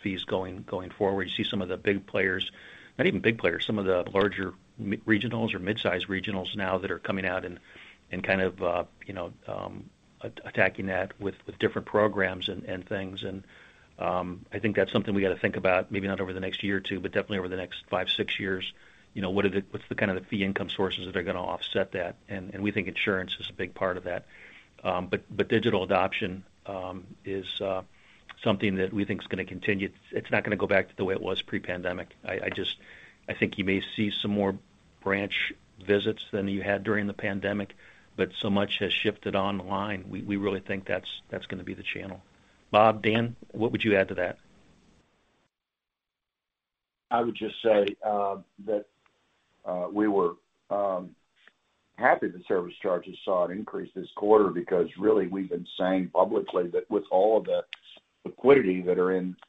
fees going forward. You see some of the big players, not even big players, some of the larger regionals or mid-size regionals now that are coming out and kind of you know, attacking that with different programs and things. I think that's something we got to think about, maybe not over the next year or two, but definitely over the next five, six years. You know, what are the kind of the fee income sources that are gonna offset that? We think insurance is a big part of that. But digital adoption is something that we think is gonna continue. It's not gonna go back to the way it was pre-pandemic. I think you may see some more branch visits than you had during the pandemic, but so much has shifted online. We really think that's gonna be the channel. Bob, Dan, what would you add to that? I would just say that we were happy the service charges saw an increase this quarter because really we've been saying publicly that with all of the liquidity that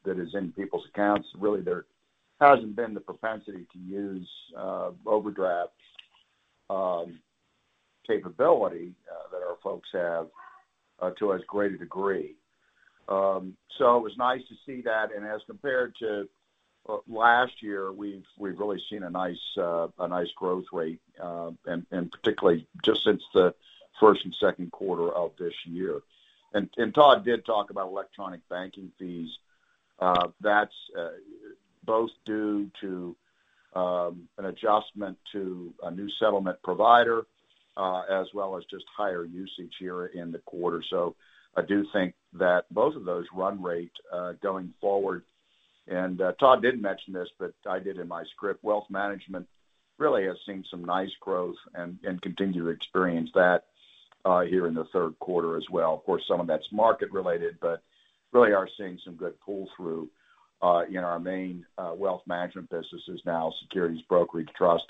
is in people's accounts, really there hasn't been the propensity to use overdraft capability that our folks have to as great a degree. It was nice to see that. As compared to last year, we've really seen a nice growth rate, and particularly just since the first and second quarter of this year. Todd did talk about electronic banking fees. That's both due to an adjustment to a new settlement provider as well as just higher usage here in the quarter. I do think that both of those run rate going forward. Todd didn't mention this, but I did in my script. Wealth management really has seen some nice growth and continue to experience that here in the third quarter as well. Of course, some of that's market related, but really are seeing some good pull through in our main wealth management businesses now, securities, brokerage, trust,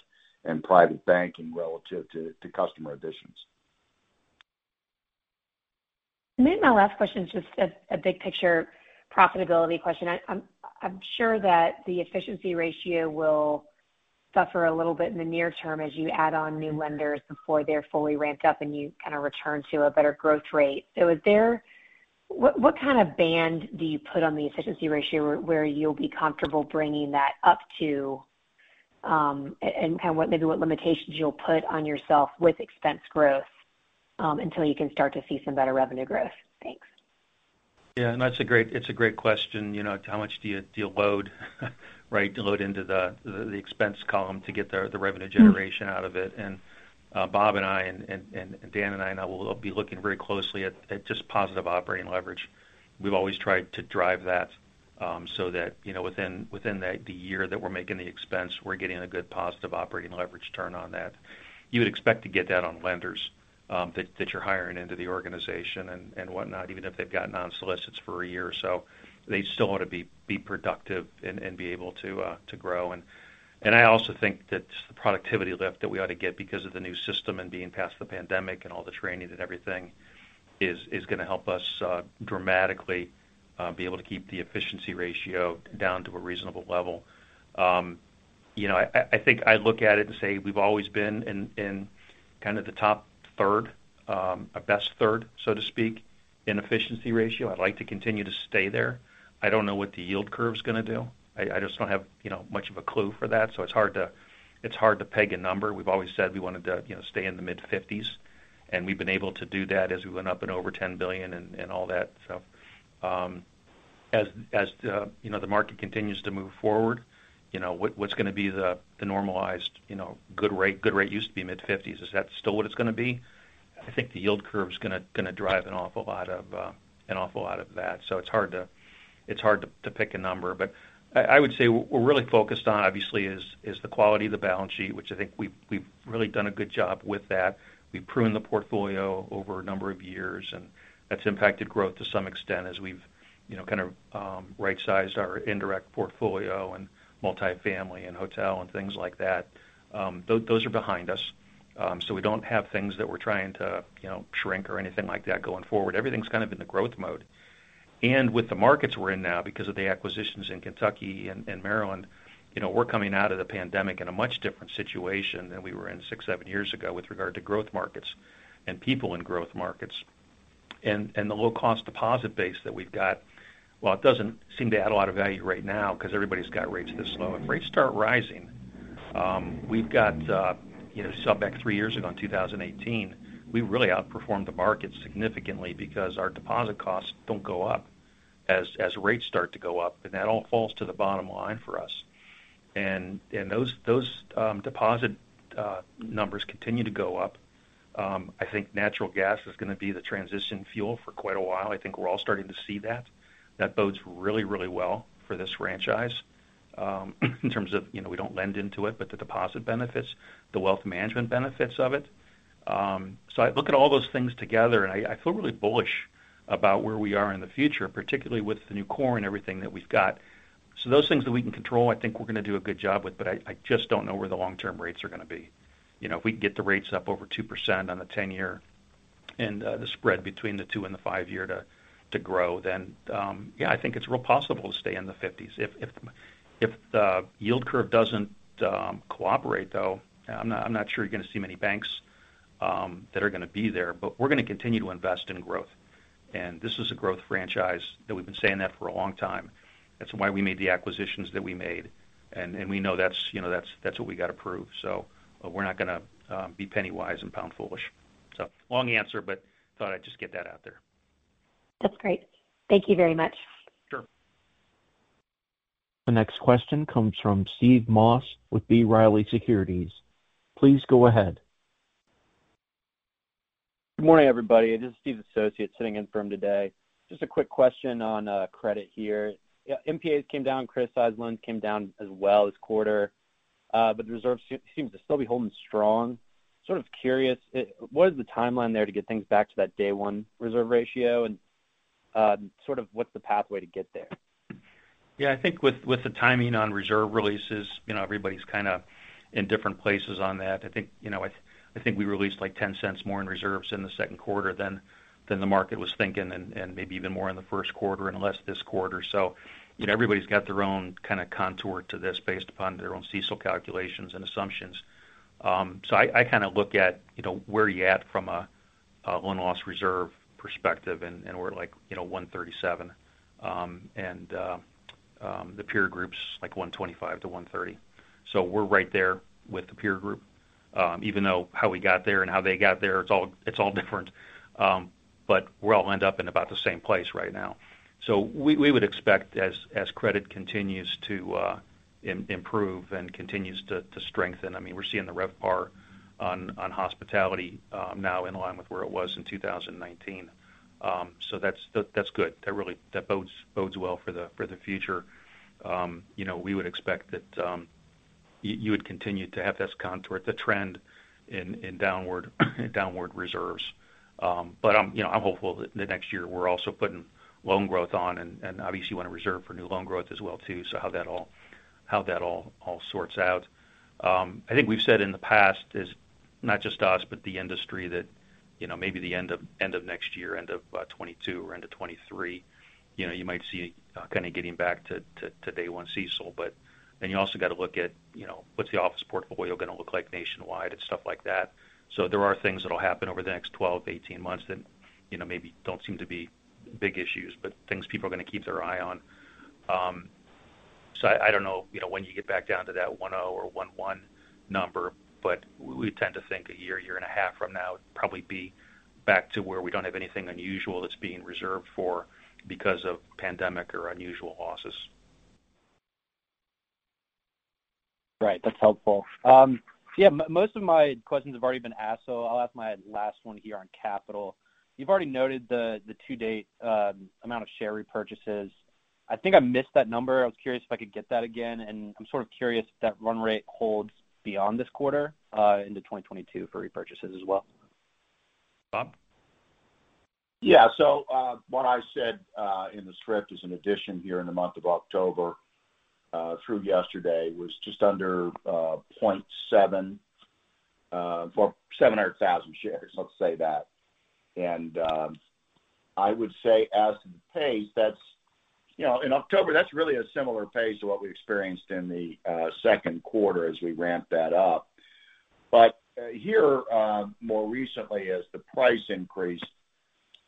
and private banking relative to customer additions. Maybe my last question is just a big picture profitability question. I'm sure that the efficiency ratio will suffer a little bit in the near term as you add on new lenders before they're fully ramped up and you kind of return to a better growth rate. What kind of band do you put on the efficiency ratio where you'll be comfortable bringing that up to, and kind of what limitations you'll put on yourself with expense growth until you can start to see some better revenue growth? Thanks. Yeah, that's a great question. You know, how much do you load, right? Do you load into the expense column to get the revenue generation out of it. Bob, Dan, and I now will be looking very closely at just positive operating leverage. We've always tried to drive that so that, you know, within the year that we're making the expense, we're getting a good positive operating leverage turn on that. You would expect to get that on lenders that you're hiring into the organization and whatnot, even if they've gotten on non-solicits for a year or so. They still ought to be productive and be able to grow. I also think that the productivity lift that we ought to get because of the new system and being past the pandemic and all the training and everything is gonna help us dramatically be able to keep the efficiency ratio down to a reasonable level. You know, I think I look at it and say we've always been in kind of the top third, a best third, so to speak, in efficiency ratio. I'd like to continue to stay there. I don't know what the yield curve is gonna do. I just don't have, you know, much of a clue for that. It's hard to peg a number. We've always said we wanted to, you know, stay in the mid-50s, and we've been able to do that as we went up and over $10 billion and all that stuff. As the, you know, the market continues to move forward, you know, what's gonna be the normalized, you know, good rate? Good rate used to be mid-50s. Is that still what it's gonna be? I think the yield curve is gonna drive an awful lot of that. It's hard to pick a number. I would say we're really focused on, obviously, is the quality of the balance sheet, which I think we've really done a good job with that. We've pruned the portfolio over a number of years, and that's impacted growth to some extent as we've, you know, kind of right-sized our indirect portfolio and multifamily and hotel and things like that. Those are behind us. So we don't have things that we're trying to, you know, shrink or anything like that going forward. Everything's kind of in the growth mode. With the markets we're in now because of the acquisitions in Kentucky and Maryland, you know, we're coming out of the pandemic in a much different situation than we were in six, seven years ago with regard to growth markets and people in growth markets. The low-cost deposit base that we've got, while it doesn't seem to add a lot of value right now because everybody's got rates this low, if rates start rising, we've got, you know, back three years ago in 2018, we really outperformed the market significantly because our deposit costs don't go up as rates start to go up, and that all falls to the bottom line for us. Those deposit numbers continue to go up. I think natural gas is gonna be the transition fuel for quite a while. I think we're all starting to see that. That bodes really, really well for this franchise, in terms of, you know, we don't lend into it, but the deposit benefits, the wealth management benefits of it. I look at all those things together, and I feel really bullish about where we are in the future, particularly with the new core and everything that we've got. Those things that we can control, I think we're gonna do a good job with, but I just don't know where the long-term rates are gonna be. You know, if we can get the rates up over 2% on the 10-year and the spread between the two-year and the five-year to grow, then yeah, I think it's really possible to stay in the fifties. If the yield curve doesn't cooperate, though, I'm not sure you're gonna see many banks that are going to be there. We're going to continue to invest in growth. This is a growth franchise that we've been saying that for a long time. That's why we made the acquisitions that we made. We know that's, you know, what we got to prove. We're not going to be penny wise and pound foolish. Long answer, but thought I'd just get that out there. That's great. Thank you very much. Sure. The next question comes from Steve Moss with B. Riley Securities. Please go ahead. Good morning, everybody. This is Steve's associate sitting in for him today. Just a quick question on credit here. MPAs came down, criticized loans came down as well this quarter, but the reserves seem to still be holding strong. Sort of curious, what is the timeline there to get things back to that day one reserve ratio? Sort of what's the pathway to get there? Yeah, I think with the timing on reserve releases, you know, everybody's kind of in different places on that. I think, you know, I think we released like $0.10 more in reserves in the second quarter than the market was thinking, and maybe even more in the first quarter and less this quarter. You know, everybody's got their own kind of contour to this based upon their own CECL calculations and assumptions. I kind of look at, you know, where you at from a loan loss reserve perspective, and we're like, you know, 1.37%. The peer group's like 1.25%-1.30%. We're right there with the peer group, even though how we got there and how they got there, it's all different. We all end up in about the same place right now. We would expect as credit continues to improve and continues to strengthen. I mean, we're seeing the RevPAR on hospitality now in line with where it was in 2019. So that's good. That bodes well for the future. You know, we would expect that you would continue to have this contour, the trend in downward reserves. You know, I'm hopeful that the next year we're also putting loan growth on and obviously you want to reserve for new loan growth as well too. How that all sorts out. I think we've said in the past, it's not just us, but the industry that, you know, maybe the end of next year, end of 2022 or end of 2023, you know, you might see kind of getting back to day one CECL. You also got to look at, you know, what's the office portfolio going to look like nationwide and stuff like that. There are things that'll happen over the next 12-18 months that, you know, maybe don't seem to be big issues, but things people are going to keep an eye on. I don't know, you know, when you get back down to that 1.0 or 1.1 number, but we tend to think a year and a half from now, it'd probably be back to where we don't have anything unusual that's being reserved for because of pandemic or unusual losses. Right. That's helpful. Yeah, most of my questions have already been asked, so I'll ask my last one here on capital. You've already noted the to-date amount of share repurchases. I think I missed that number. I was curious if I could get that again. I'm sort of curious if that run rate holds beyond this quarter into 2022 for repurchases as well. Bob? Yeah. What I said in the script is in addition here in the month of October through yesterday was just under 0.7, or 700,000 shares. Let's say that. I would say as to the pace, that's, you know, in October, that's really a similar pace to what we experienced in the second quarter as we ramp that up. Here, more recently as the price increased,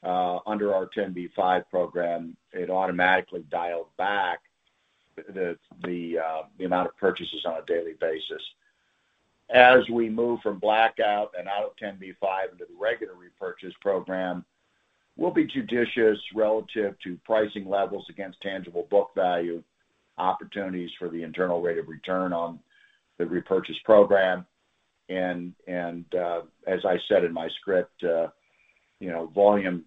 under our 10b5-1 program, it automatically dialed back the amount of purchases on a daily basis. As we move from blackout and out of 10b5-1 into the regular repurchase program, we'll be judicious relative to pricing levels against tangible book value opportunities for the internal rate of return on the repurchase program. As I said in my script, you know, volume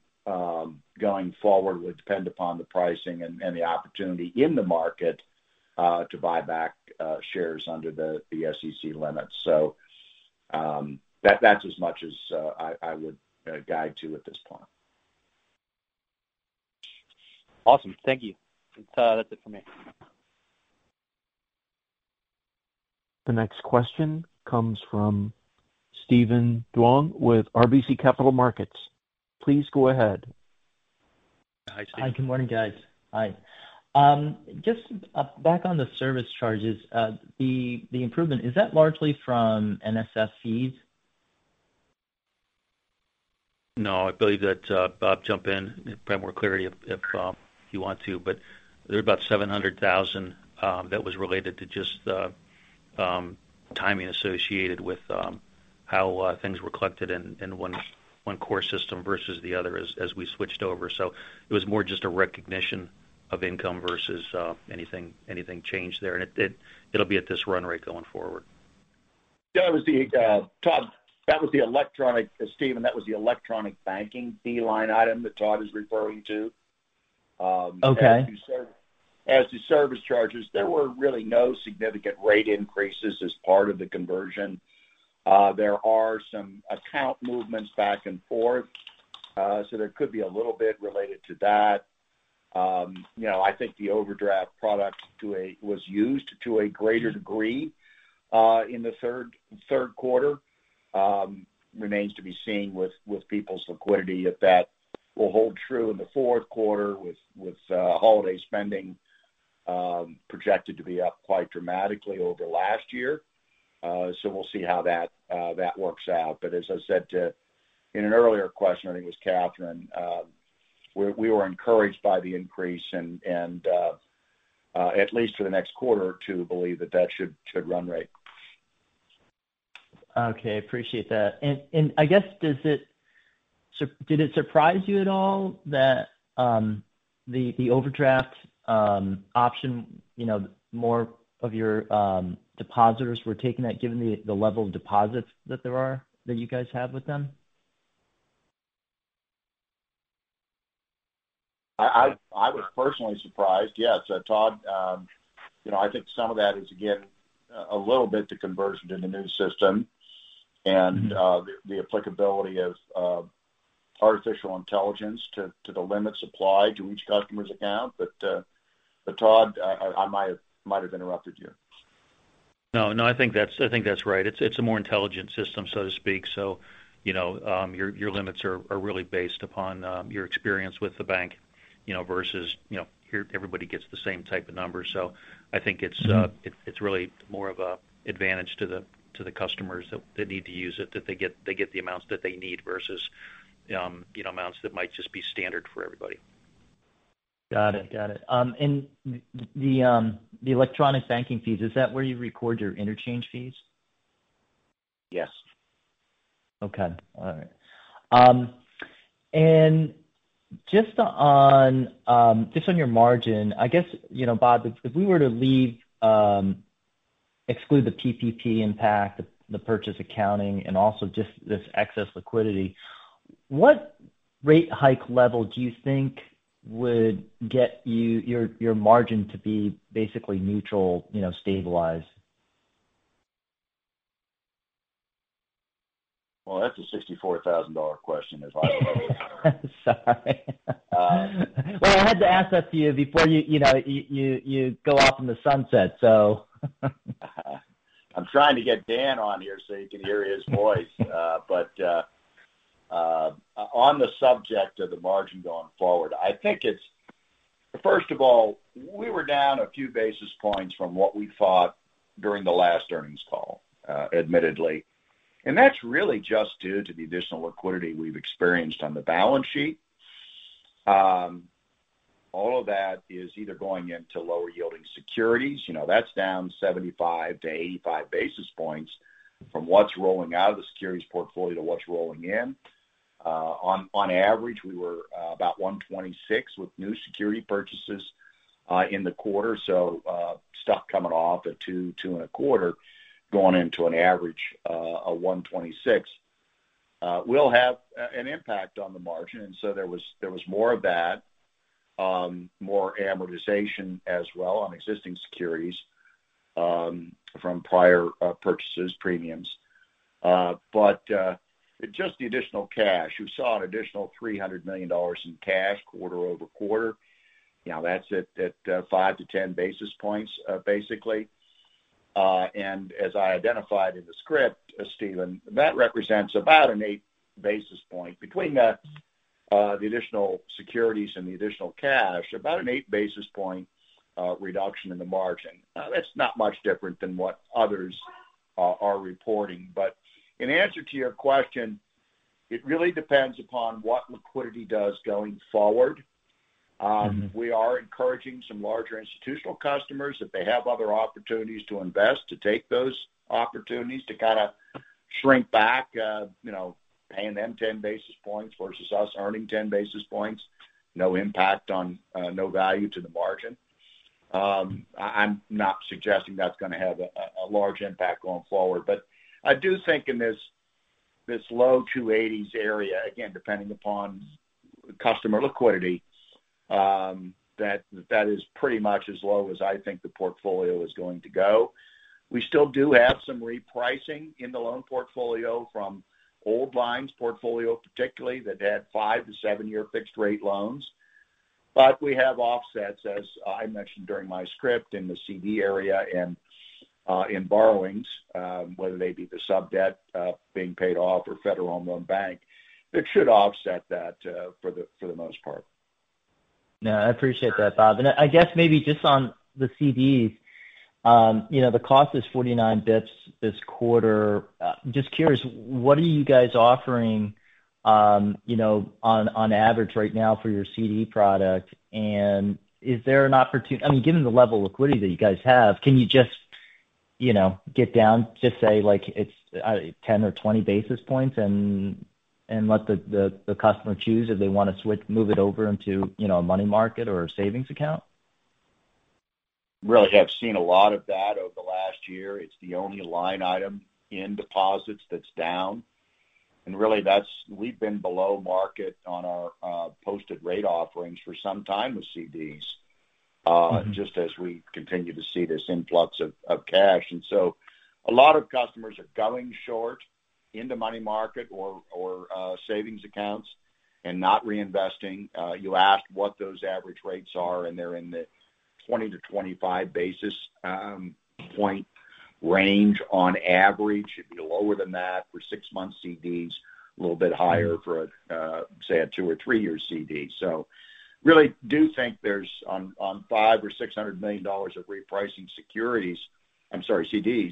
going forward would depend upon the pricing and the opportunity in the market to buy back shares under the SEC limits. That's as much as I would guide to at this point. Awesome. Thank you. That's it for me. The next question comes from Steven Duong with RBC Capital Markets. Please go ahead. Hi, Steven. Hi, good morning, guys. Hi. Just back on the service charges, the improvement, is that largely from NSF fees? No, I believe that, Bob, jump in, provide more clarity if you want to. There are about $700,000 that was related to just timing associated with how things were collected in one core system versus the other as we switched over. It was more just a recognition of income versus anything changed there. It'll be at this run rate going forward. Yeah, it was, Todd. Steven, that was the electronic banking fee line item that Todd is referring to. Okay. As to service charges, there were really no significant rate increases as part of the conversion. There are some account movements back and forth, so there could be a little bit related to that. You know, I think the overdraft product was used to a greater degree in the third quarter. Remains to be seen with people's liquidity if that will hold true in the fourth quarter with holiday spending projected to be up quite dramatically over last year. We'll see how that works out. As I said in an earlier question, I think it was Catherine, we were encouraged by the increase and at least for the next quarter or two, believe that that should run rate. Okay. Appreciate that. I guess, did it surprise you at all that the overdraft option, you know, more of your depositors were taking that given the level of deposits that you guys have with them? I was personally surprised. Yes. Todd, you know, I think some of that is, again, a little bit the conversion to the new system and Mm-hmm. The applicability of artificial intelligence to the limits applied to each customer's account. Todd, I might have interrupted you. No, I think that's right. It's a more intelligent system, so to speak. You know, your limits are really based upon your experience with the bank, you know, versus, you know, here everybody gets the same type of number. I think it's Mm-hmm. It's really more of a advantage to the customers that need to use it that they get the amounts that they need versus, you know, amounts that might just be standard for everybody. Got it. The electronic banking fees, is that where you record your interchange fees? Yes. Okay. All right. Just on your margin, I guess, you know, Bob, if we were to exclude the PPP impact, the purchase accounting, and also just this excess liquidity, what rate hike level do you think would get your margin to be basically neutral, you know, stabilized? Well, that's a $64,000 question as I know it. Sorry. Um. Well, I had to ask that to you before you know, go off in the sunset, so. I'm trying to get Dan Weiss on here so you can hear his voice. On the subject of the margin going forward, I think first of all we were down a few basis points from what we thought during the last earnings call, admittedly. That's really just due to the additional liquidity we've experienced on the balance sheet. All of that is either going into lower yielding securities, you know, that's down 75-85 basis points from what's rolling out of the securities portfolio to what's rolling in. On average, we were about 1.26 with new security purchases in the quarter. Stock coming off at 2.25, going into an average of 1.26, will have an impact on the margin. There was more of that, more amortization as well on existing securities from prior purchase premiums. Just the additional cash. You saw an additional $300 million in cash quarter-over-quarter. You know, that's at 5-10 basis points, basically. As I identified in the script, Steven, that represents about an 8 basis point between the additional securities and the additional cash, about an 8 basis point reduction in the margin. That's not much different than what others are reporting. In answer to your question, it really depends upon what liquidity does going forward. Mm-hmm. We are encouraging some larger institutional customers, if they have other opportunities to invest, to take those opportunities to kind of shrink back, you know, paying them 10 basis points versus us earning 10 basis points. No impact on no value to the margin. I'm not suggesting that's gonna have a large impact going forward. I do think in this low 2.80s area, again, depending upon customer liquidity, that is pretty much as low as I think the portfolio is going to go. We still do have some repricing in the loan portfolio from Old Line's portfolio particularly that had five- to seven-year fixed-rate loans. We have offsets, as I mentioned during my script in the CD area and in borrowings, whether they be the sub-debt being paid off or Federal Home Loan Bank, that should offset that for the most part. No, I appreciate that, Bob. I guess maybe just on the CDs, you know, the cost is 49 basis points this quarter. Just curious, what are you guys offering, you know, on average right now for your CD product? I mean, given the level of liquidity that you guys have, can you just, you know, get down to say, like 10 or 20 basis points and let the customer choose if they wanna move it over into, you know, a money market or a savings account? really have seen a lot of that over the last year. It's the only line item in deposits that's down. Really that's. We've been below market on our posted rate offerings for some time with CDs. Mm-hmm. Just as we continue to see this influx of cash, a lot of customers are going short in the money market or savings accounts and not reinvesting. You asked what those average rates are, and they're in the 20-25 basis points range on average should be lower than that for 6-month CDs, a little bit higher for, say, a two- or three-year CD. Really do think there's $500 million-$600 million of repricing securities. I'm sorry, CDs,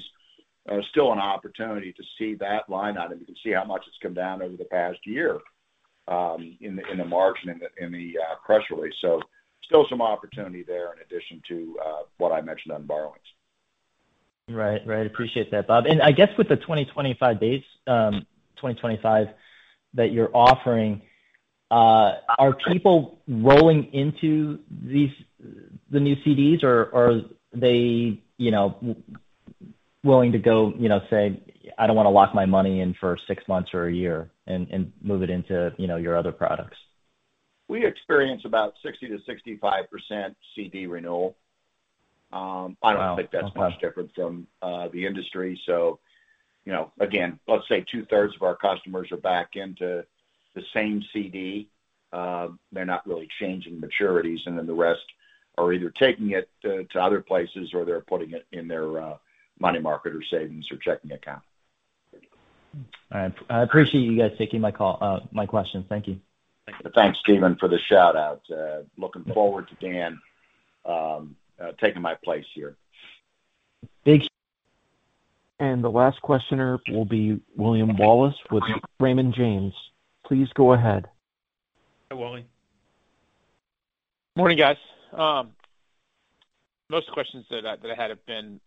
still an opportunity to see that line item. You can see how much it's come down over the past year in the press release. Still some opportunity there in addition to what I mentioned on borrowings. Right. Appreciate that, Bob. I guess with the 2025 base, 2025 that you're offering, are people rolling into these the new CDs or they, you know, willing to go, you know, say, I don't wanna lock my money in for six months or a year and move it into, you know, your other products? We experience about 60%-65% CD renewal. I don't think that's much different from the industry. You know, again, let's say two-thirds of our customers are back into the same CD. They're not really changing maturities, and then the rest are either taking it to other places or they're putting it in their money market or savings or checking account. All right. I appreciate you guys taking my call, my questions. Thank you. Thanks, Steven, for the shout-out. Looking forward to Dan taking my place here. Thank you. The last questioner will be William Wallace with Raymond James. Please go ahead. Hi, William. Morning, guys. Most questions that I had have been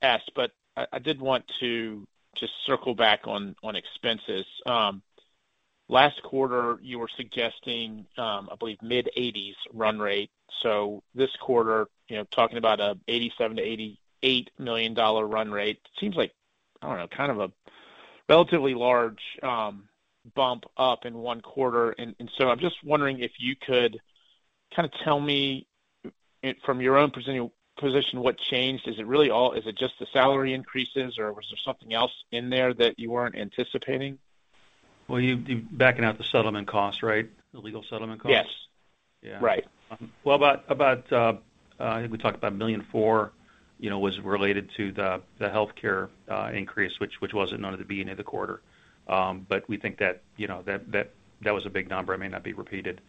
asked, but I did want to just circle back on expenses. Last quarter, you were suggesting, I believe, mid-80s run rate. This quarter, you know, talking about an $87 million-$88 million run rate, seems like, I don't know, kind of a relatively large bump up in one quarter. I'm just wondering if you could kind of tell me from your own position, what changed? Is it just the salary increases, or was there something else in there that you weren't anticipating? Well, you backing out the settlement costs, right? The legal settlement costs? Yes. Yeah. Right. Well, about $1.4 million, you know, was related to the healthcare increase, which wasn't known at the beginning of the quarter. We think that, you know, that was a big number. It may not be repeated.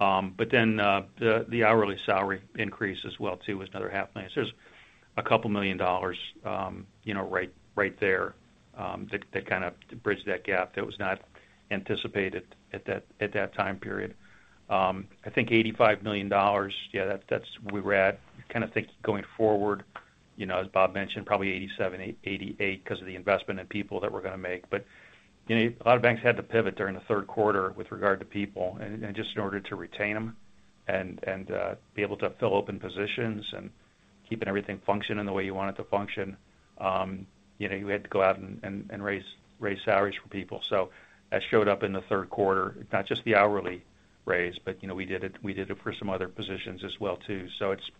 Then the hourly salary increase as well too was another half million. There's a couple million dollars, you know, right there, that kinda bridged that gap that was not anticipated at that time period. I think $85 million, yeah, that's where we're at, kind of think going forward. You know, as Bob mentioned, probably $87 million-$88 million because of the investment in people that we're gonna make. You know, a lot of banks had to pivot during the third quarter with regard to people and just in order to retain them and be able to fill open positions and keeping everything functioning the way you want it to function. You know, you had to go out and raise salaries for people. That showed up in the third quarter, not just the hourly raise, but, you know, we did it for some other positions as well too. It's.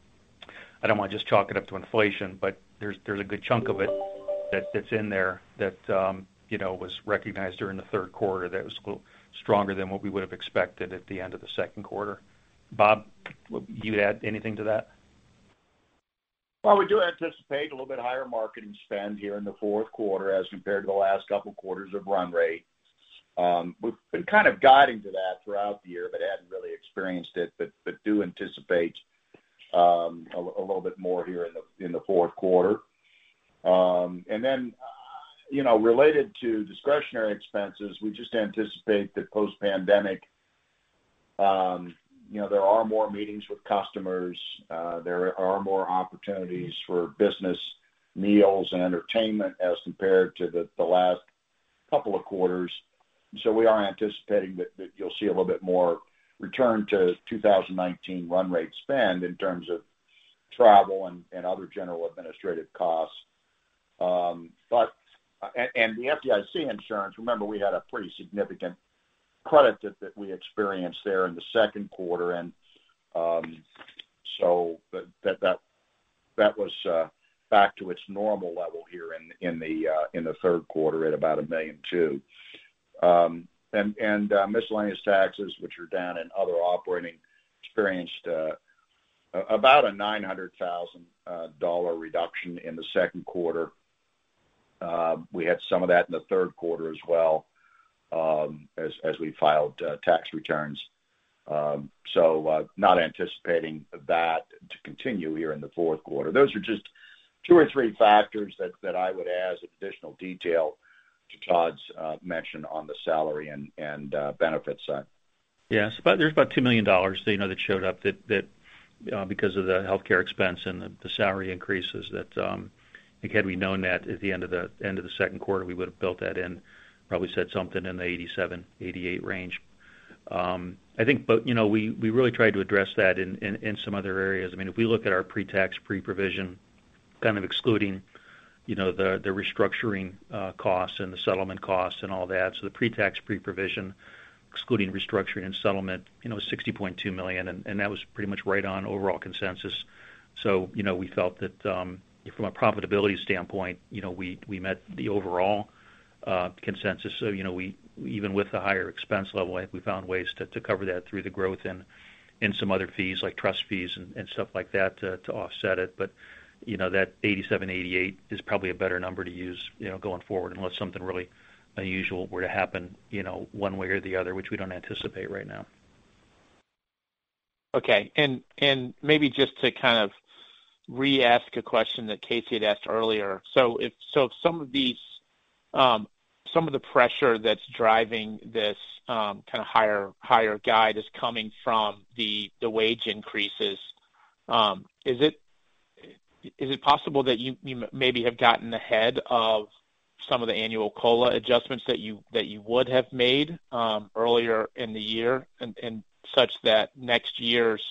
I don't want to just chalk it up to inflation, but there's a good chunk of it that's in there that, you know, was recognized during the third quarter that was a little stronger than what we would have expected at the end of the second quarter. Bob, would you add anything to that? Well, we do anticipate a little bit higher marketing spend here in the fourth quarter as compared to the last couple quarters of run rate. We've been kind of guiding to that throughout the year, but hadn't really experienced it, but do anticipate a little bit more here in the fourth quarter. And then, you know, related to discretionary expenses, we just anticipate that post-pandemic, you know, there are more meetings with customers. There are more opportunities for business meals and entertainment as compared to the last couple of quarters. We are anticipating that you'll see a little bit more return to 2019 run rate spend in terms of travel and other general administrative costs. The FDIC insurance, remember we had a pretty significant credit that we experienced there in the second quarter. That was back to its normal level here in the third quarter at about $1.2 million. Miscellaneous taxes, which are down in other operating, experienced about a $900,000 dollar reduction in the second quarter. We had some of that in the third quarter as well, as we filed tax returns. Not anticipating that to continue here in the fourth quarter. Those are just two or three factors that I would add as additional detail to Todd's mention on the salary and benefits side. Yes. There's about $2 million, you know, that showed up that because of the healthcare expense and the salary increases that, I think had we known that at the end of the second quarter, we would have built that in, probably said something in the $87 million-$88 million range. I think, but, you know, we really tried to address that in some other areas. I mean, if we look at our pre-tax, pre-provision, kind of excluding, you know, the restructuring costs and the settlement costs and all that. The pre-tax, pre-provision Excluding restructuring and settlement, you know, $60.2 million and that was pretty much right on overall consensus. You know, we felt that from a profitability standpoint, you know, we met the overall consensus. You know, we even with the higher expense level, I think we found ways to cover that through the growth and some other fees like trust fees and stuff like that to offset it. You know, that $87 million-$88 million is probably a better number to use, you know, going forward, unless something really unusual were to happen, you know, one way or the other, which we don't anticipate right now. Okay. Maybe just to kind of re-ask a question that Casey had asked earlier. If some of the pressure that's driving this kind of higher guide is coming from the wage increases, is it possible that you maybe have gotten ahead of some of the annual COLA adjustments that you would have made earlier in the year and such that next year's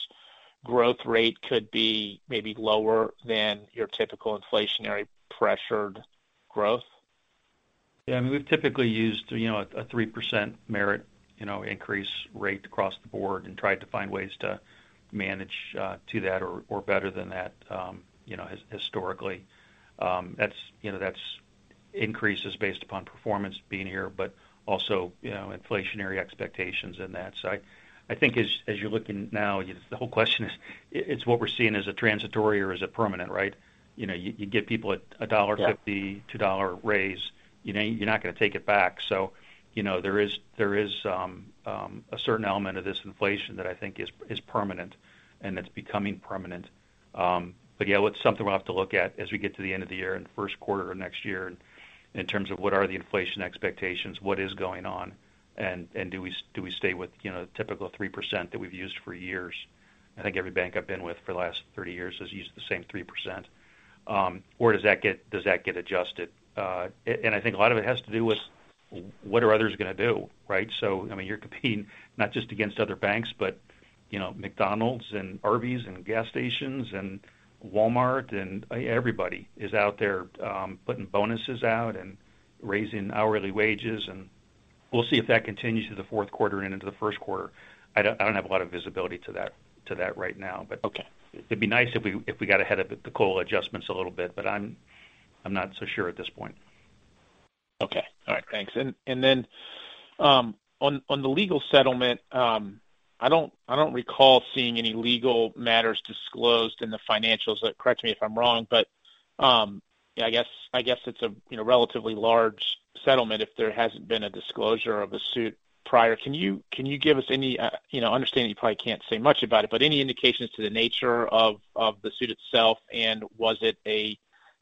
growth rate could be maybe lower than your typical inflationary pressured growth? Yeah. I mean, we've typically used, you know, a 3% merit, you know, increase rate across the board and tried to find ways to manage to that or better than that, you know, historically. That's, you know, that's increases based upon performance being here, but also, you know, inflationary expectations in that. I think as you're looking now, you know, the whole question is it's what we're seeing as a transitory or is it permanent, right? You know, you give people a $1.50 Yeah $2 raise, you know you're not gonna take it back. You know, there is a certain element of this inflation that I think is permanent and it's becoming permanent. Yeah, it's something we'll have to look at as we get to the end of the year and first quarter of next year in terms of what are the inflation expectations, what is going on, and do we stay with, you know, the typical 3% that we've used for years? I think every bank I've been with for the last 30 years has used the same 3%. Or does that get adjusted? And I think a lot of it has to do with what are others gonna do, right? I mean, you're competing not just against other banks, but, you know, McDonald's and Arby's and gas stations and Walmart and everybody is out there, putting bonuses out and raising hourly wages, and we'll see if that continues through the fourth quarter and into the first quarter. I don't have a lot of visibility to that right now, but. Okay It'd be nice if we got ahead of the COLA adjustments a little bit, but I'm not so sure at this point. Okay. All right. Thanks. On the legal settlement, I don't recall seeing any legal matters disclosed in the financials. Correct me if I'm wrong, but yeah, I guess it's a you know, relatively large settlement if there hasn't been a disclosure of a suit prior. Can you give us any you know, I understand you probably can't say much about it, but any indications to the nature of the suit itself? Was it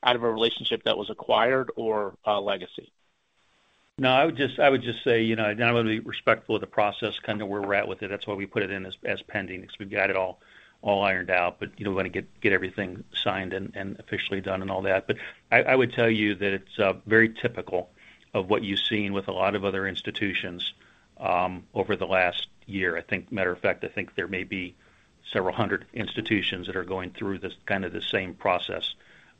out of a relationship that was acquired or legacy? No, I would just say, you know, I wanna be respectful of the process, kind of where we're at with it. That's why we put it in as pending 'cause we've got it all ironed out. You know, we wanna get everything signed and officially done and all that. I would tell you that it's very typical of what you've seen with a lot of other institutions over the last year. I think, matter of fact, I think there may be several hundred institutions that are going through this, kind of the same process.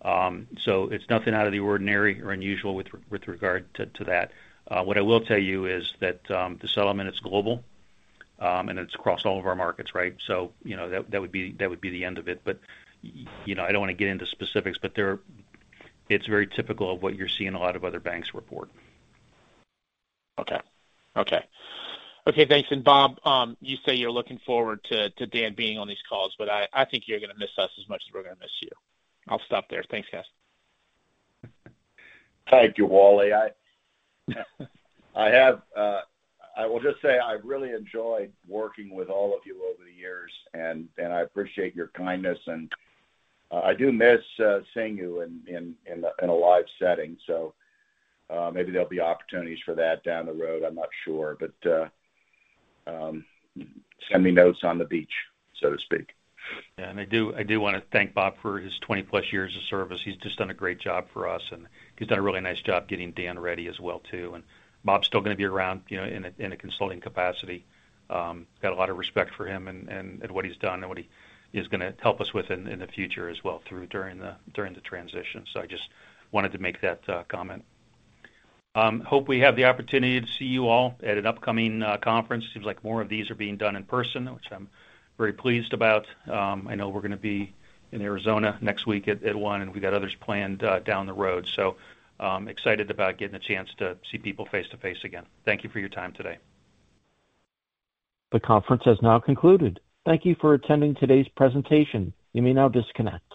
So it's nothing out of the ordinary or unusual with regard to that. What I will tell you is that the settlement is global and it's across all of our markets, right? You know, that would be the end of it. You know, I don't wanna get into specifics, but it's very typical of what you're seeing a lot of other banks report. Okay, thanks. Bob, you say you're looking forward to Dan being on these calls, but I think you're gonna miss us as much as we're gonna miss you. I'll stop there. Thanks, guys. Thank you, Wally. I will just say I've really enjoyed working with all of you over the years, and I appreciate your kindness. I do miss seeing you in a live setting. Maybe there'll be opportunities for that down the road. I'm not sure. Send me notes on the beach, so to speak. Yeah, I do wanna thank Bob for his 20+ years of service. He's just done a great job for us, and he's done a really nice job getting Dan ready as well, too. Bob's still gonna be around, you know, in a consulting capacity. Got a lot of respect for him and what he's done and what he is gonna help us with in the future as well during the transition. I just wanted to make that comment. Hope we have the opportunity to see you all at an upcoming conference. Seems like more of these are being done in person, which I'm very pleased about. I know we're gonna be in Arizona next week at one, and we've got others planned down the road. I'm excited about getting a chance to see people face-to-face again. Thank you for your time today. The conference has now concluded. Thank you for attending today's presentation. You may now disconnect.